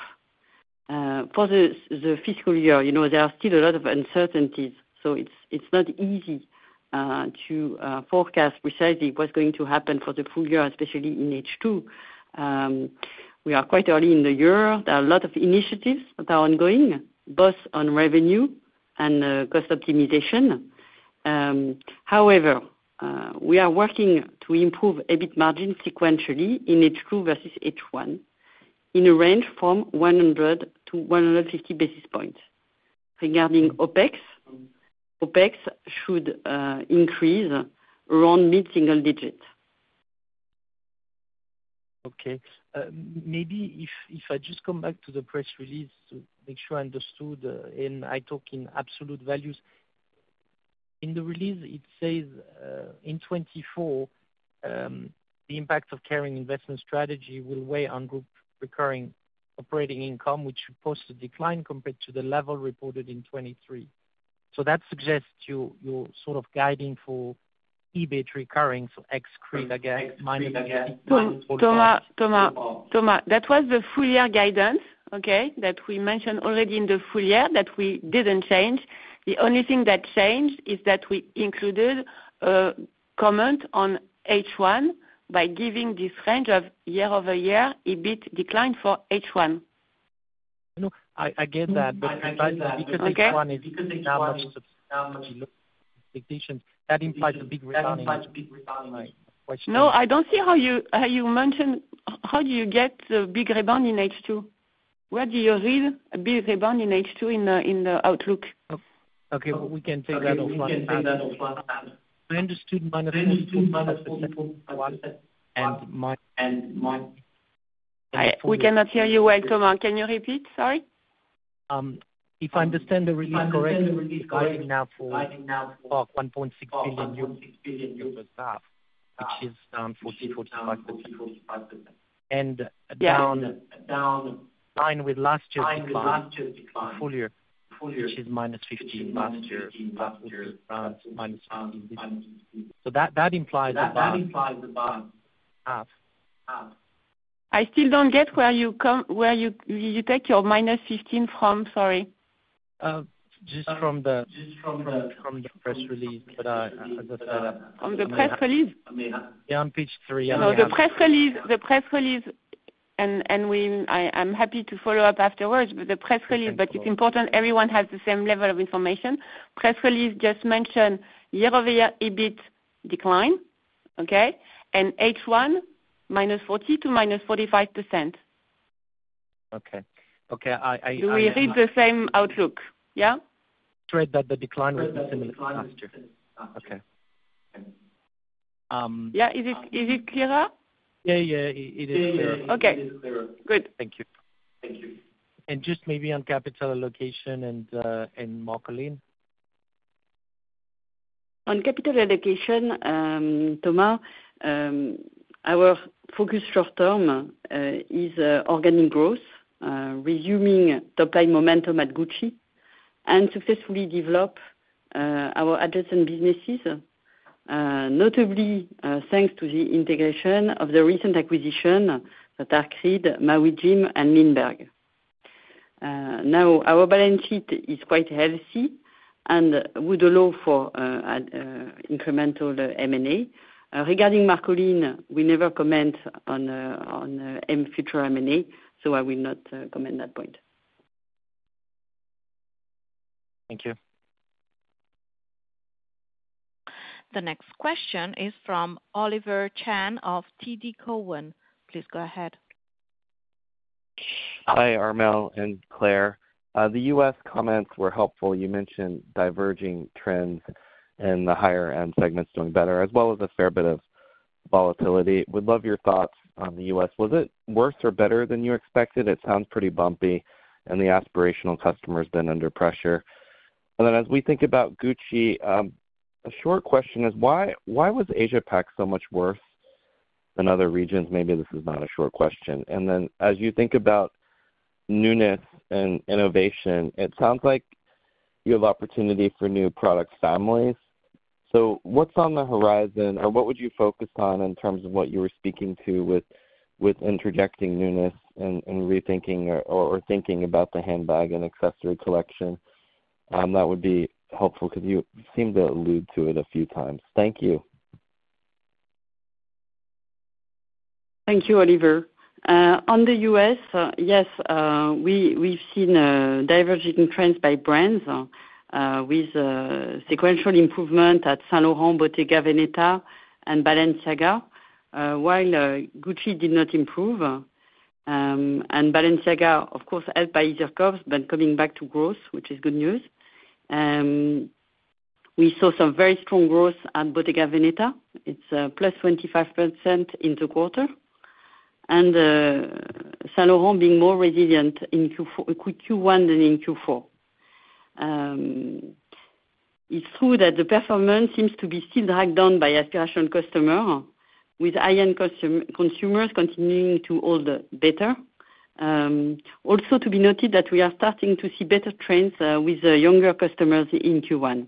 For the fiscal year, there are still a lot of uncertainties. So it's not easy to forecast precisely what's going to happen for the full year, especially in H2. We are quite early in the year. There are a lot of initiatives that are ongoing, both on revenue and cost optimization. However, we are working to improve EBIT margin sequentially in H2 versus H1 in a range from 100-150 basis points. Regarding OpEx, OpEx should increase around mid-single digit. Okay. Maybe if I just come back to the press release to make sure I understood, and I talk in absolute values, in the release, it says, "In 2024, the impact of Kering investment strategy will weigh on group recurring operating income, which should post a decline compared to the level reported in 2023." So that suggests you're sort of guiding for EBIT recurring, so ex-Creed again, minus ex-Creed again. Thomas, that was the full year guidance, okay, that we mentioned already in the full year that we didn't change. The only thing that changed is that we included a comment on H1 by giving this range of year-over-year EBIT decline for H1. I get that. But because H1 is now below expectations, that implies a big rebound in H1. That implies a big rebound in H1. No, I don't see how you mentioned how do you get a big rebound in H2? Where do you read a big rebound in H2 in the outlook? Okay. We can take that offline. We can take that offline. I understood -42% for asset and -42%. We cannot hear you well, Thomas. Can you repeat? Sorry. If I understand the release correctly, it's guiding now for 1.6 billion euros per half, which is down 40%-45%. And in line with last year's decline. In line with last year's decline. Full year, which is -15% last year. Last year's decline. -15% this year. So that implies a bump. That implies a bump. Half. Half. I still don't get where you take your -15% from. Sorry. Just from the press release. But as I said. From the press release? Yeah. I'm page three. No, the press release. The press release. And I'm happy to follow up afterwards. But the press release, but it's important everyone has the same level of information. Press release just mentioned year-over-year EBIT decline, okay, and H1 -40% to -45%. Okay. Okay. Do we read the same outlook? Yeah? Read that the decline was the same as last year. Okay. Yeah. Is it clearer? Yeah. Yeah. It is clearer. It is clearer. Good. Thank you. Thank you. And just maybe on capital allocation and Marcolin? On capital allocation, Thomas, our focus short-term is organic growth, resuming top-line momentum at Gucci, and successfully develop our adjacent businesses, notably thanks to the integration of the recent acquisition that are Creed, Maui Jim, and LINDBERG. Now, our balance sheet is quite healthy and would allow for incremental M&A. Regarding Marcolin, we never comment on future M&A, so I will not comment that point. Thank you. The next question is from Oliver Chen of TD Cowen. Please go ahead. Hi, Armelle and Claire. The U.S. comments were helpful. You mentioned diverging trends and the higher-end segments doing better, as well as a fair bit of volatility. Would love your thoughts on the U.S.. Was it worse or better than you expected? It sounds pretty bumpy. The aspirational customer has been under pressure. Then as we think about Gucci, a short question is, why was Asia-Pac so much worse than other regions? Maybe this is not a short question. Then as you think about newness and innovation, it sounds like you have opportunity for new product families. So what's on the horizon, or what would you focus on in terms of what you were speaking to with interjecting newness and rethinking or thinking about the handbag and accessory collection? That would be helpful because you seemed to allude to it a few times. Thank you. Thank you, Oliver. On the U.S., yes, we've seen diverging trends by brands with sequential improvement at Saint Laurent, Bottega Veneta, and Balenciaga, while Gucci did not improve. And Balenciaga, of course, helped by easier comps, but coming back to growth, which is good news. We saw some very strong growth at Bottega Veneta. It's +25% in the quarter. And Saint Laurent being more resilient in Q1 than in Q4. It's true that the performance seems to be still dragged down by aspirational customers, with high-end consumers continuing to hold better. Also to be noted that we are starting to see better trends with younger customers in Q1.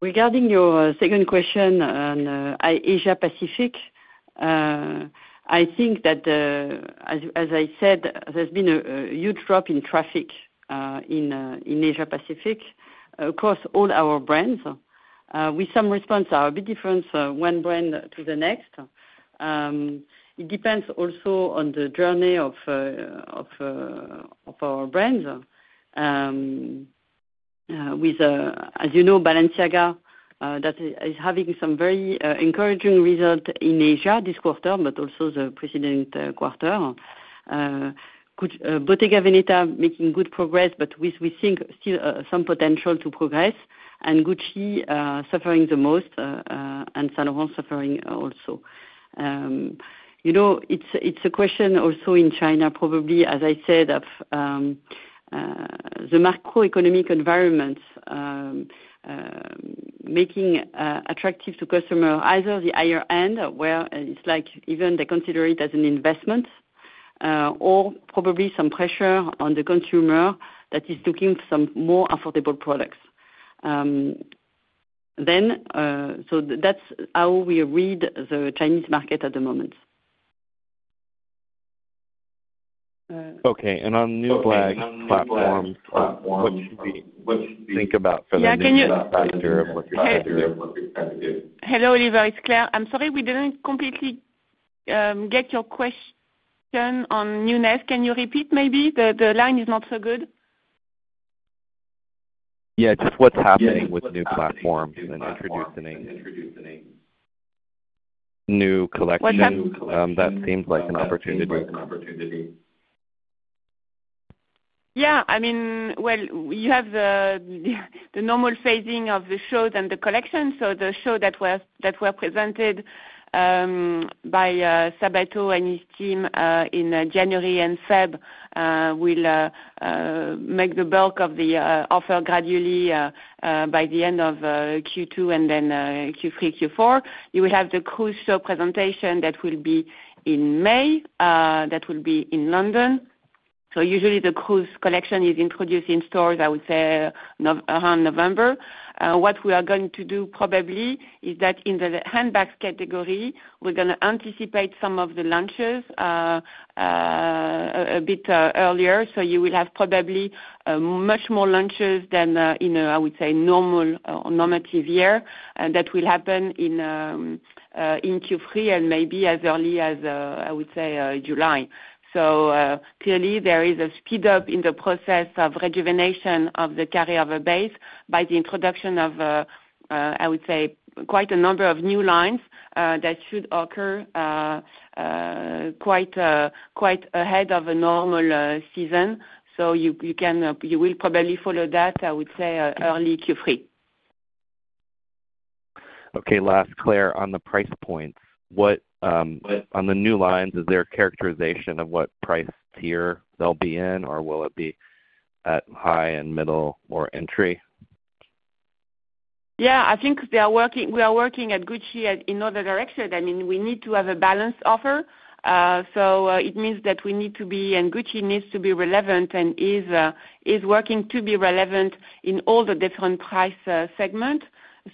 Regarding your second question on Asia-Pacific, I think that, as I said, there's been a huge drop in traffic in Asia-Pacific across all our brands, with some response that are a bit different from one brand to the next. It depends also on the journey of our brands. As you know, Balenciaga is having some very encouraging results in Asia this quarter, but also the preceding quarter. Bottega Veneta making good progress, but we think still some potential to progress. And Gucci suffering the most and Saint Laurent suffering also. It's a question also in China, probably, as I said, of the macroeconomic environment making attractive to customer, either the higher-end, where it's like even they consider it as an investment, or probably some pressure on the consumer that is looking for some more affordable products. So that's how we read the Chinese market at the moment. Okay. And on newness platforms, what should we think about for the newness factor and what you're trying to do? Hello, Oliver. It's Claire. I'm sorry we didn't completely get your question on newness. Can you repeat, maybe? The line is not so good. Yeah. Just what's happening with new platforms and introducing new collections. What's happening with new platforms? That seems like an opportunity. Yeah. I mean, well, you have the normal phasing of the shows and the collections. So the show that was presented by Sabato and his team in January and February will make the bulk of the offer gradually by the end of Q2 and then Q3, Q4. You will have the cruise show presentation that will be in May that will be in London. So usually, the cruise collection is introduced in stores, I would say, around November. What we are going to do probably is that in the handbags category, we're going to anticipate some of the launches a bit earlier. So you will have probably much more launches than in, I would say, normal or normative year that will happen in Q3 and maybe as early as, I would say, July. So clearly, there is a speed-up in the process of rejuvenation of the carryover base by the introduction of, I would say, quite a number of new lines that should occur quite ahead of a normal season. So you will probably follow that, I would say, early Q3. Okay. Last, Claire, on the price points, on the new lines, is there a characterization of what price tier they'll be in, or will it be at high and middle or entry? Yeah. I think we are working at Gucci in another direction. I mean, we need to have a balanced offer. So it means that we need to be and Gucci needs to be relevant and is working to be relevant in all the different price segments.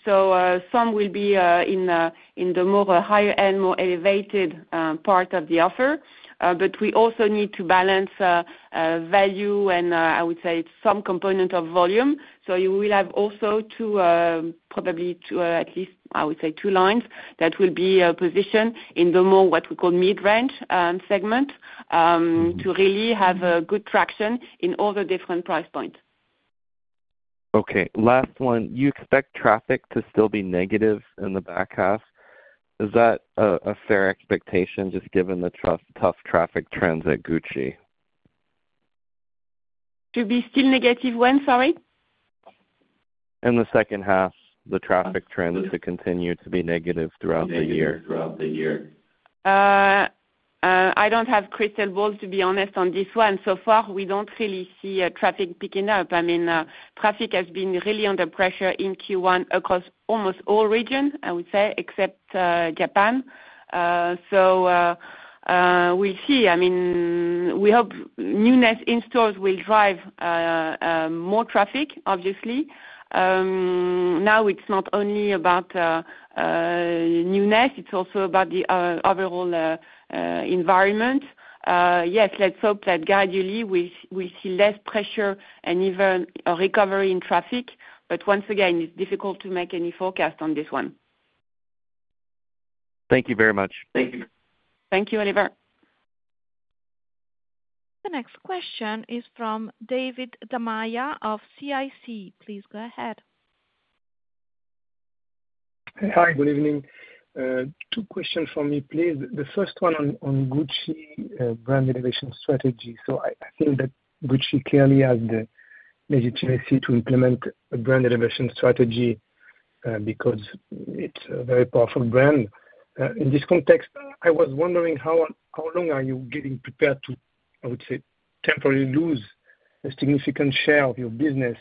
So some will be in the more higher-end, more elevated part of the offer. But we also need to balance value and, I would say, some component of volume. So you will have also probably at least, I would say, two lines that will be positioned in the more what we call mid-range segment to really have good traction in all the different price points. Okay. Last one, you expect traffic to still be negative in the back half. Is that a fair expectation just given the tough traffic trends at Gucci? To be still negative when? Sorry? In the second half, the traffic trends to continue to be negative throughout the year. Negative throughout the year. I don't have crystal balls, to be honest, on this one. So far, we don't really see traffic picking up. I mean, traffic has been really under pressure in Q1 across almost all regions, I would say, except Japan. So we'll see. I mean, we hope newness in stores will drive more traffic, obviously. Now, it's not only about newness. It's also about the overall environment. Yes, let's hope that gradually, we'll see less pressure and even recovery in traffic. But once again, it's difficult to make any forecast on this one. Thank you very much. Thank you. Thank you, Oliver. The next question is from David Da Maia of CIC. Please go ahead. Hi. Good evening. Two questions for me, please. The first one on Gucci brand innovation strategy. So I think that Gucci clearly has the legitimacy to implement a brand innovation strategy because it's a very powerful brand. In this context, I was wondering how long are you getting prepared to, I would say, temporarily lose a significant share of your business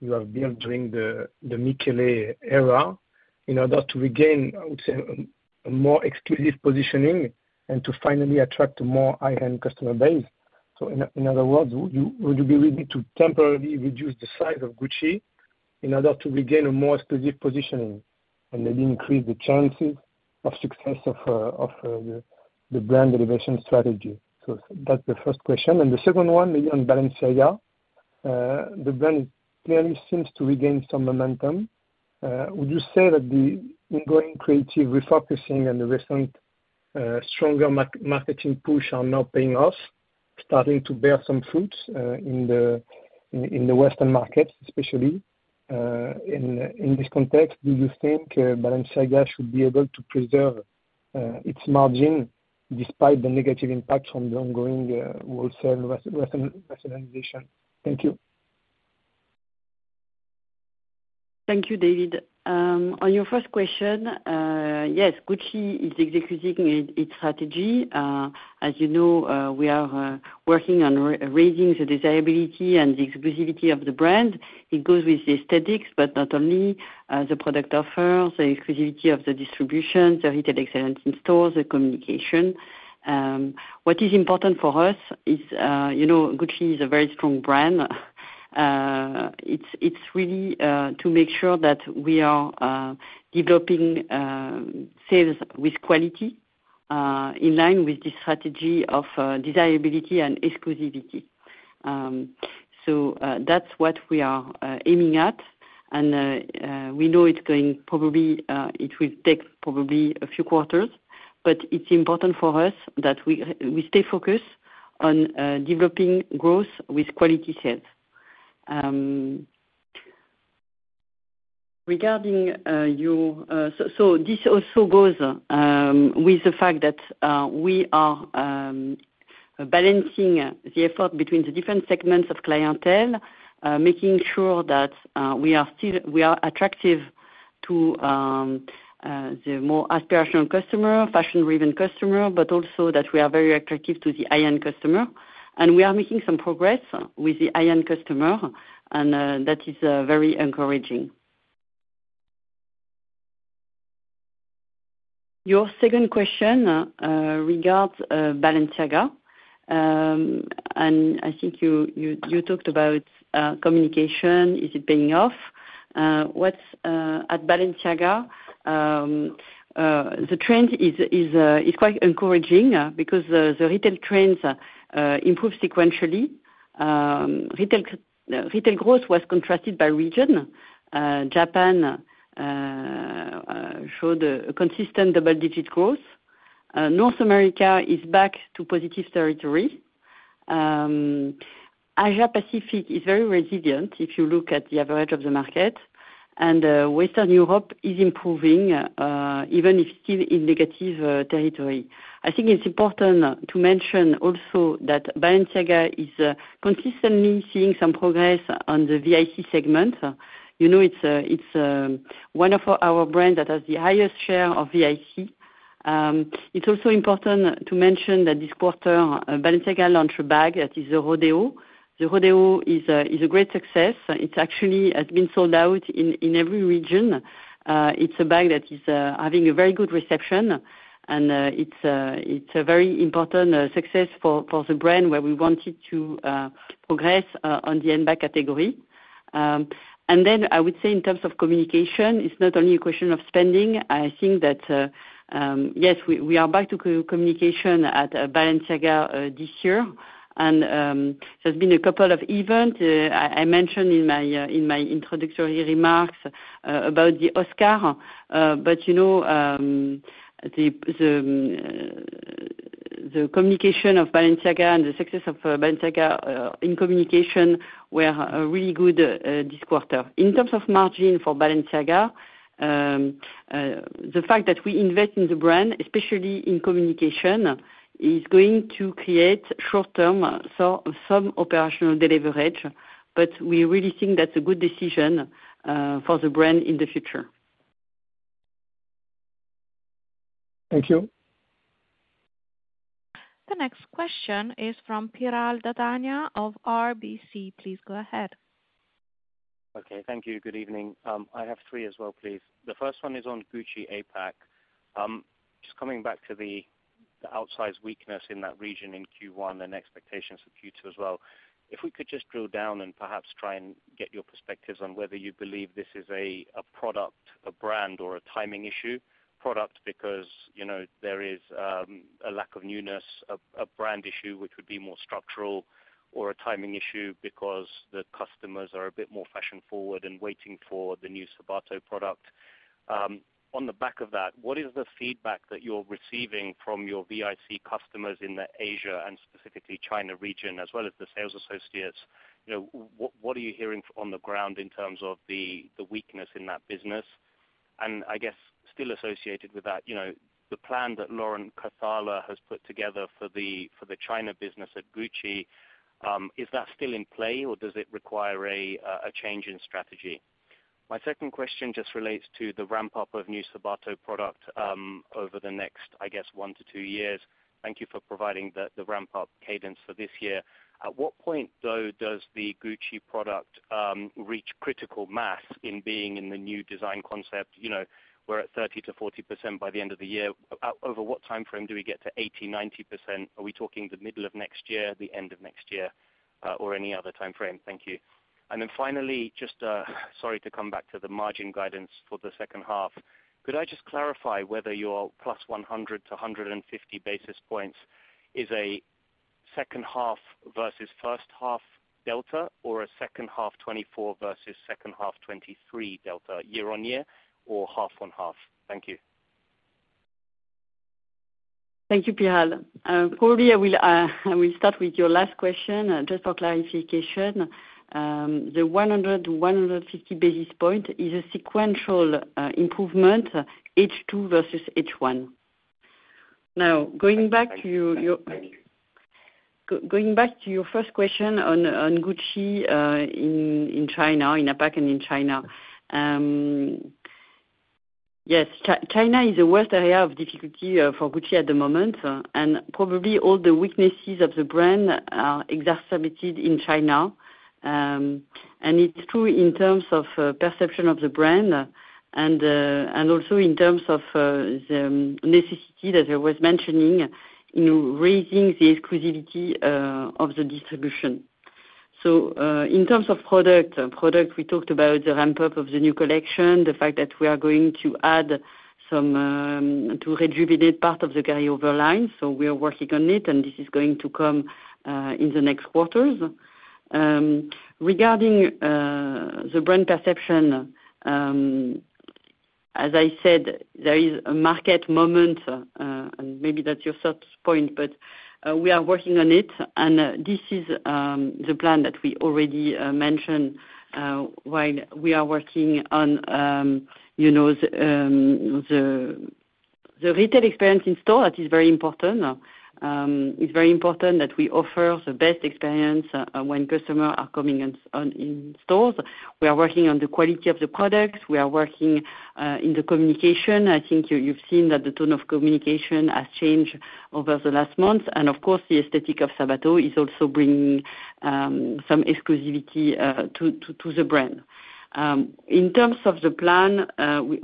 you have built during the Michele era in order to regain, I would say, a more exclusive positioning and to finally attract a more high-end customer base? So in other words, would you be ready to temporarily reduce the size of Gucci in order to regain a more exclusive positioning and maybe increase the chances of success of the brand innovation strategy? So that's the first question. And the second one, maybe on Balenciaga, the brand clearly seems to regain some momentum. Would you say that the ongoing creative refocusing and the recent stronger marketing push are now paying off, starting to bear some fruits in the Western markets, especially? In this context, do you think Balenciaga should be able to preserve its margin despite the negative impact from the ongoing wholesale rationalization? Thank you. Thank you, David. On your first question, yes, Gucci is executing its strategy. As you know, we are working on raising the desirability and the exclusivity of the brand. It goes with the aesthetics, but not only the product offer, the exclusivity of the distribution, the retail excellence in stores, the communication. What is important for us is Gucci is a very strong brand. It's really to make sure that we are developing sales with quality in line with the strategy of desirability and exclusivity. So that's what we are aiming at. And we know it's going probably it will take probably a few quarters. But it's important for us that we stay focused on developing growth with quality sales. Regarding your so this also goes with the fact that we are balancing the effort between the different segments of clientele, making sure that we are attractive to the more aspirational customer, fashion-driven customer, but also that we are very attractive to the high-end customer. We are making some progress with the high-end customer. That is very encouraging. Your second question regards Balenciaga. I think you talked about communication. Is it paying off? At Balenciaga, the trend is quite encouraging because the retail trends improve sequentially. Retail growth was contrasted by region. Japan showed a consistent double-digit growth. North America is back to positive territory. Asia-Pacific is very resilient if you look at the average of the market. Western Europe is improving, even if still in negative territory. I think it's important to mention also that Balenciaga is consistently seeing some progress on the VIC segment. It's one of our brands that has the highest share of VIC. It's also important to mention that this quarter, Balenciaga launched a bag that is the Rodeo. The Rodeo is a great success. It actually has been sold out in every region. It's a bag that is having a very good reception. And it's a very important success for the brand where we wanted to progress on the handbag category. And then, I would say, in terms of communication, it's not only a question of spending. I think that, yes, we are back to communication at Balenciaga this year. And there's been a couple of events. I mentioned in my introductory remarks about the Oscar. But the communication of Balenciaga and the success of Balenciaga in communication were really good this quarter. In terms of margin for Balenciaga, the fact that we invest in the brand, especially in communication, is going to create short-term some operational deleveraging. But we really think that's a good decision for the brand in the future. Thank you. The next question is from Piral Dadhania of RBC. Please go ahead. Okay. Thank you. Good evening. I have three as well, please. The first one is on Gucci APAC. Just coming back to the outsized weakness in that region in Q1 and expectations for Q2 as well, if we could just drill down and perhaps try and get your perspectives on whether you believe this is a product, a brand, or a timing issue. Product because there is a lack of newness, a brand issue which would be more structural, or a timing issue because the customers are a bit more fashion-forward and waiting for the new Sabato product. On the back of that, what is the feedback that you're receiving from your VIC customers in the Asia and specifically China region as well as the sales associates? What are you hearing on the ground in terms of the weakness in that business? And I guess still associated with that, the plan that Laurent Cathala has put together for the China business at Gucci, is that still in play, or does it require a change in strategy? My second question just relates to the ramp-up of new Sabato product over the next, I guess, one to two years. Thank you for providing the ramp-up cadence for this year. At what point, though, does the Gucci product reach critical mass in being in the new design concept? We're at 30%-40% by the end of the year. Over what time frame do we get to 80%-90%? Are we talking the middle of next year, the end of next year, or any other time frame? Thank you. And then finally, just sorry to come back to the margin guidance for the second half. Could I just clarify whether your +100-150 basis points is a second half versus first half delta or a second half 2024 versus second half 2023 delta year on year or half on half? Thank you. Thank you, Pieral. Probably, I will start with your last question just for clarification. The 100-150 basis points is a sequential improvement H2 versus H1. Now, going back to your first question on Gucci in APAC and in China. Yes, China is the worst area of difficulty for Gucci at the moment. And probably, all the weaknesses of the brand are exacerbated in China. And it's true in terms of perception of the brand and also in terms of the necessity that I was mentioning in raising the exclusivity of the distribution. So in terms of product, we talked about the ramp-up of the new collection, the fact that we are going to rejuvenate part of the carryover line. So we are working on it. And this is going to come in the next quarters. Regarding the brand perception, as I said, there is a market moment. And maybe that's your first point, but we are working on it. This is the plan that we already mentioned while we are working on the retail experience in store. That is very important. It's very important that we offer the best experience when customers are coming in stores. We are working on the quality of the products. We are working in the communication. I think you've seen that the tone of communication has changed over the last months. And of course, the aesthetic of Sabato is also bringing some exclusivity to the brand. In terms of the plan, we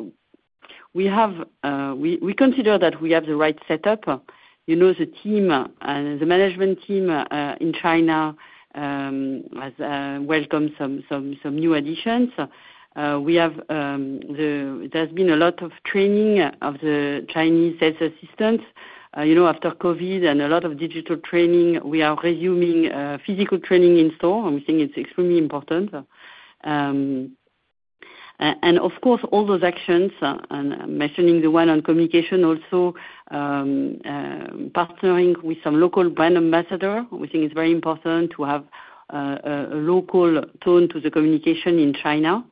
consider that we have the right setup. The team and the management team in China has welcomed some new additions. There's been a lot of training of the Chinese sales assistants. After COVID and a lot of digital training, we are resuming physical training in store. And we think it's extremely important. And of course, all those actions, mentioning the one on communication also, partnering with some local brand ambassador, we think it's very important to have a local tone to the communication in China.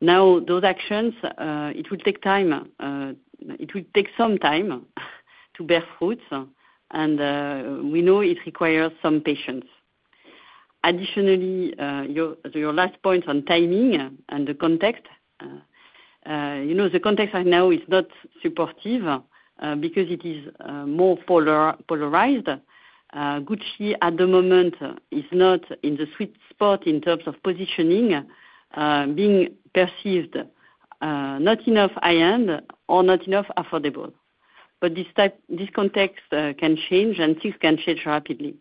Now, those actions, it will take time. It will take some time to bear fruits. And we know it requires some patience. Additionally, your last point on timing and the context, the context right now is not supportive because it is more polarized. Gucci, at the moment, is not in the sweet spot in terms of positioning, being perceived not enough high-end or not enough affordable. But this context can change. And things can change rapidly.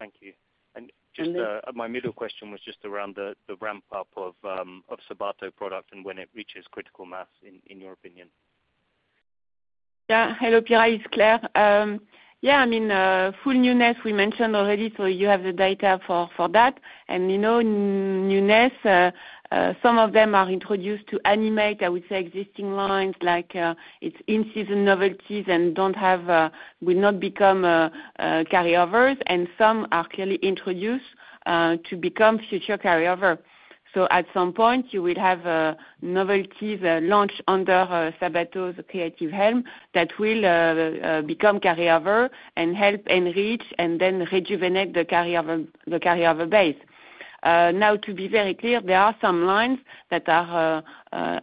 Thank you. And my middle question was just around the ramp-up of Sabato product and when it reaches critical mass, in your opinion. Yeah. Hello, Piral. It's Claire. Yeah. I mean, full newness, we mentioned already. So you have the data for that. And newness, some of them are introduced to animate, I would say, existing lines like it's in-season novelties and will not become carryovers. And some are clearly introduced to become future carryover. So at some point, you will have novelties launched under Sabato's creative helm that will become carryover and help enrich and then rejuvenate the carryover base. Now, to be very clear, there are some lines that are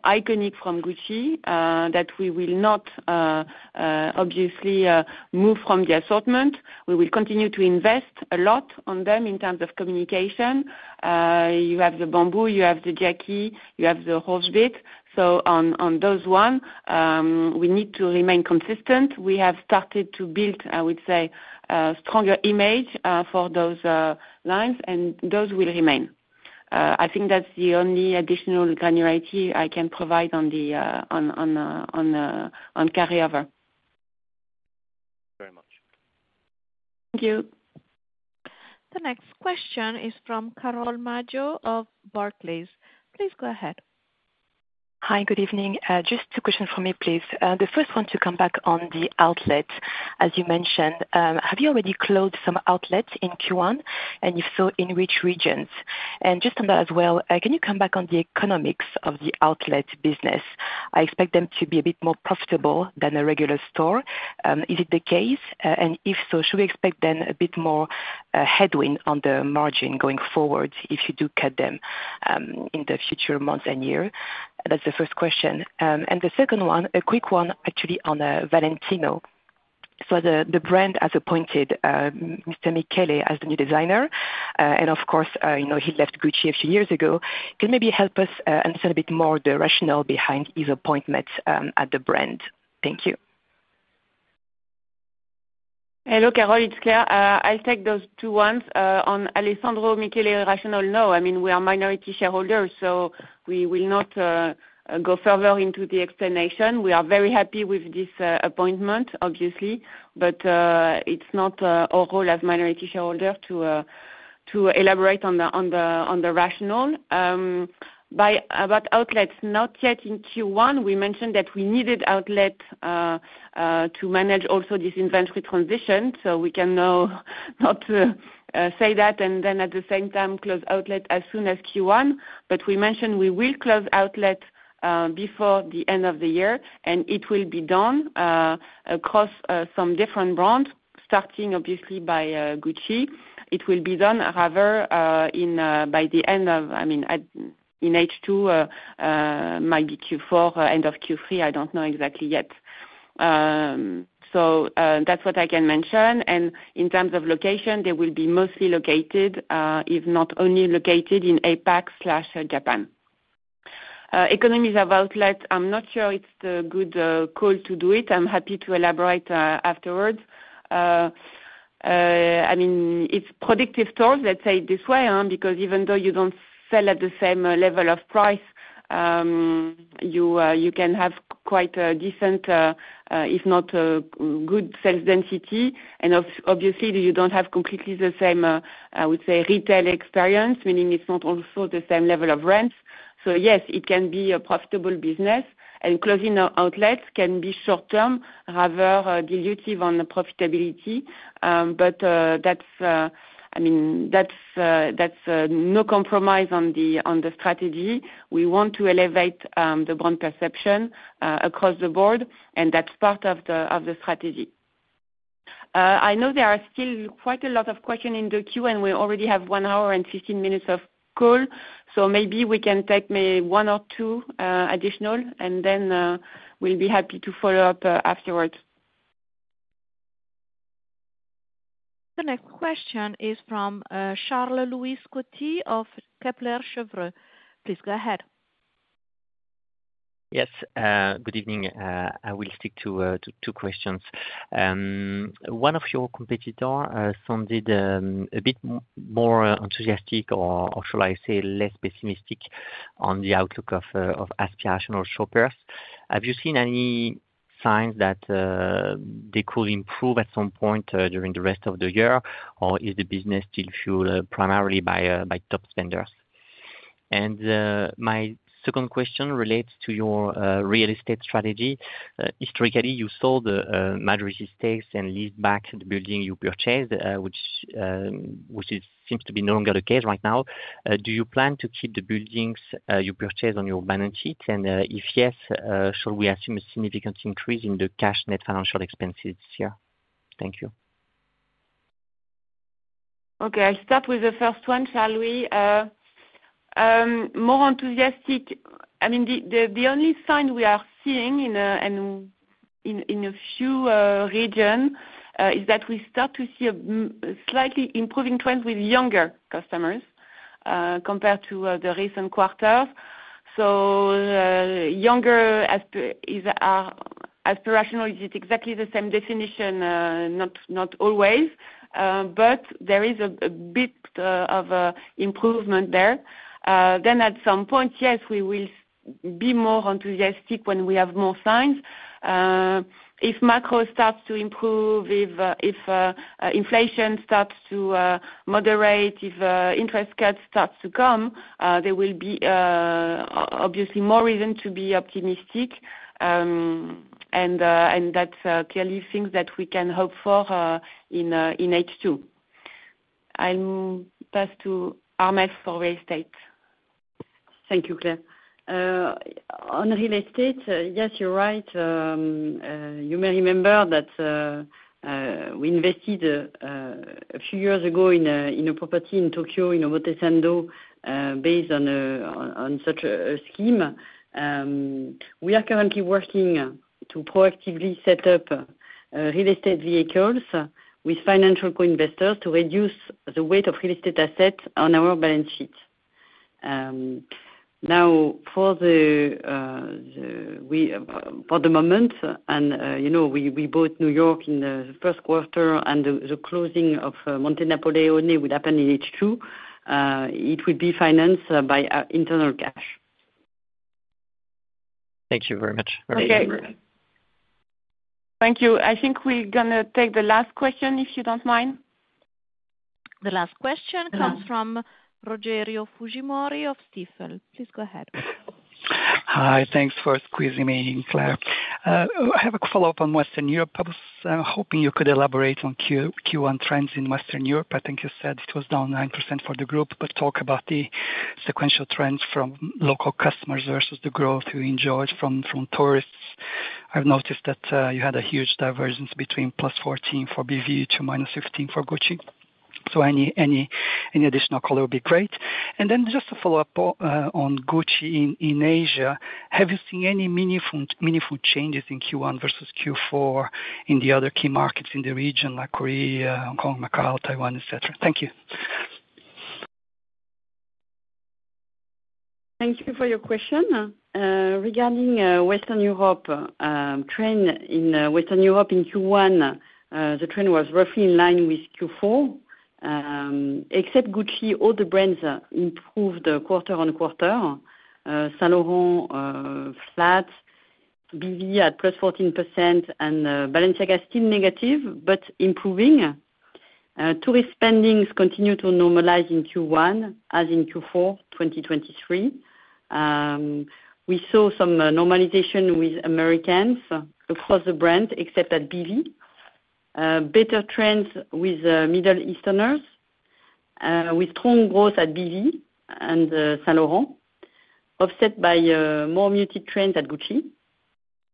iconic from Gucci that we will not obviously move from the assortment. We will continue to invest a lot on them in terms of communication. You have the Bamboo. You have the Jackie. You have the Horsebit. So on those ones, we need to remain consistent. We have started to build, I would say, a stronger image for those lines. And those will remain. I think that's the only additional granularity I can provide on carryover. Very much. Thank you. The next question is from Carole Madjo of Barclays. Please go ahead. Hi. Good evening. Just two questions for me, please. The first one to come back on the outlet, as you mentioned, have you already closed some outlets in Q1? And if so, in which regions? And just on that as well, can you come back on the economics of the outlet business? I expect them to be a bit more profitable than a regular store. Is it the case? And if so, should we expect then a bit more headwind on the margin going forward if you do cut them in the future months and year? That's the first question. And the second one, a quick one, actually, on Valentino. So the brand has appointed Mr. Michele as the new designer. And of course, he left Gucci a few years ago. Can you maybe help us understand a bit more the rationale behind his appointment at the brand? Thank you. Hello, Carol. It's Claire. I'll take those two ones. On Alessandro Michele, rationale, no. I mean, we are minority shareholders. So we will not go further into the explanation. We are very happy with this appointment, obviously. But it's not our role as minority shareholders to elaborate on the rationale. About outlets, not yet in Q1. We mentioned that we needed outlet to manage also this inventory transition. So we can now not say that and then, at the same time, close outlet as soon as Q1. But we mentioned we will close outlet before the end of the year. And it will be done across some different brands, starting, obviously, by Gucci. It will be done, however, by the end of. I mean, in H2, might be Q4, end of Q3. I don't know exactly yet. So that's what I can mention. In terms of location, they will be mostly located, if not only located, in APAC/Japan. Economies of outlet, I'm not sure it's the good call to do it. I'm happy to elaborate afterwards. I mean, it's productive stores. Let's say it this way because even though you don't sell at the same level of price, you can have quite a decent, if not good, sales density. And obviously, you don't have completely the same, I would say, retail experience, meaning it's not also the same level of rents. So yes, it can be a profitable business. Closing outlets can be short-term, rather dilutive on profitability. But I mean, that's no compromise on the strategy. We want to elevate the brand perception across the board. That's part of the strategy. I know there are still quite a lot of questions in the queue. We already have one hour and 15 minutes of call. So maybe we can take maybe one or two additional. Then we'll be happy to follow up afterwards. The next question is from Charles-Louis Scotti of Kepler Cheuvreux. Please go ahead. Yes. Good evening. I will stick to two questions. One of your competitors sounded a bit more enthusiastic, or shall I say, less pessimistic, on the outlook of Asian International Shoppers. Have you seen any signs that they could improve at some point during the rest of the year? Or is the business still fueled primarily by top spenders? And my second question relates to your real estate strategy. Historically, you sold majority stakes and leased back the building you purchased, which seems to be no longer the case right now. Do you plan to keep the buildings you purchased on your balance sheet? And if yes, should we assume a significant increase in the cash net financial expenses this year? Thank you. Okay. I'll start with the first one, shall we? More enthusiastic. I mean, the only sign we are seeing in a few regions is that we start to see a slightly improving trend with younger customers compared to the recent quarters. So younger aspirational, is it exactly the same definition? Not always. But there is a bit of improvement there. Then at some point, yes, we will be more enthusiastic when we have more signs. If macro starts to improve, if inflation starts to moderate, if interest cuts start to come, there will be, obviously, more reason to be optimistic. And that's clearly things that we can hope for in H2. I'll pass to Armelle for real estate. Thank you, Claire. On real estate, yes, you're right. You may remember that we invested a few years ago in a property in Tokyo, in Omotesando, based on such a scheme. We are currently working to proactively set up real estate vehicles with financial co-investors to reduce the weight of real estate assets on our balance sheet. Now, for the moment, and we bought New York in the first quarter, and the closing of Monte Napoleone will happen in H2. It will be financed by our internal cash. Thank you very much. Very good. Okay. Thank you. I think we're going to take the last question, if you don't mind. The last question comes from Rogerio Fujimori of Stifel. Please go ahead. Hi. Thanks for squeezing me, Claire. I have a follow-up on Western Europe. I was hoping you could elaborate on Q1 trends in Western Europe. I think you said it was down 9% for the group. But talk about the sequential trends from local customers versus the growth you enjoyed from tourists. I've noticed that you had a huge divergence between +14% for BV to -15% for Gucci. So any additional color would be great. And then just to follow up on Gucci in Asia, have you seen any meaningful changes in Q1 versus Q4 in the other key markets in the region like Korea, Hong Kong, Macau, Taiwan, etc.? Thank you. Thank you for your question. Regarding Western Europe, the trend in Western Europe in Q1 was roughly in line with Q4. Except Gucci, all the brands improved quarter on quarter. Saint Laurent flat, BV at +14%, and Balenciaga still negative but improving. Tourist spending continued to normalize in Q1 as in Q4 2023. We saw some normalization with Americans across the brands except at BV, better trends with Middle Easterners, with strong growth at BV and Saint Laurent offset by more muted trends at Gucci,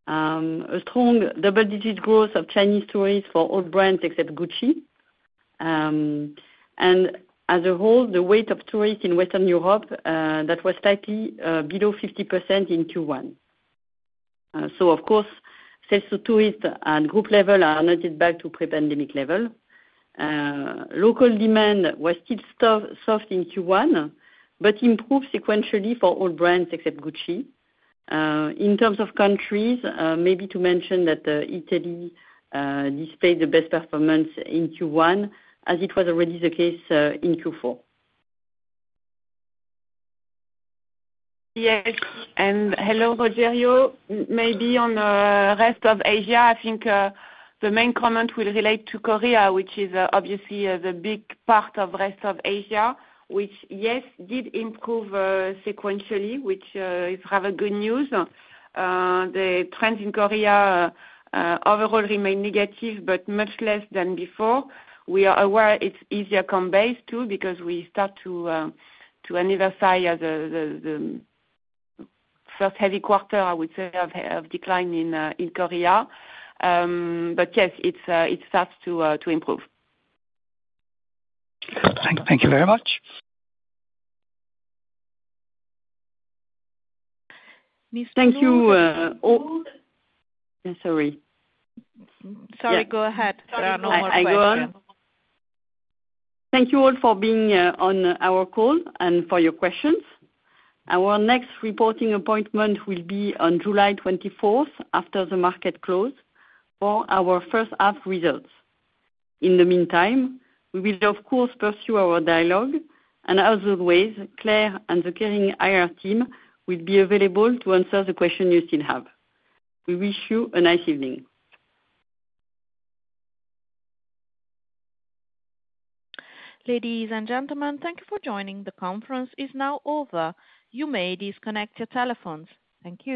a strong double-digit growth of Chinese tourists for all brands except Gucci. And as a whole, the weight of tourists in Western Europe, that was slightly below 50% in Q1. So of course, sales to tourists at group level are now back to pre-pandemic level. Local demand was still soft in Q1 but improved sequentially for all brands except Gucci. In terms of countries, maybe to mention that Italy displayed the best performance in Q1 as it was already the case in Q4. Yes. And hello, Rogerio. Maybe on the rest of Asia, I think the main comment will relate to Korea, which is obviously the big part of the rest of Asia, which, yes, did improve sequentially, which is rather good news. The trends in Korea overall remained negative but much less than before. We are aware it's easier compared to because we start to anniversary as the first heavy quarter, I would say, of decline in Korea. But yes, it starts to improve. Thank you very much. Thank you. Sorry. Sorry. Go ahead. There are no more questions. Thank you all for being on our call and for your questions. Our next reporting appointment will be on July 24th after the market close for our first half results. In the meantime, we will, of course, pursue our dialogue. And as always, Claire and the Kering IR team will be available to answer the question you still have. We wish you a nice evening. Ladies and gentlemen, thank you for joining. The conference is now over. You may disconnect your telephones. Thank you.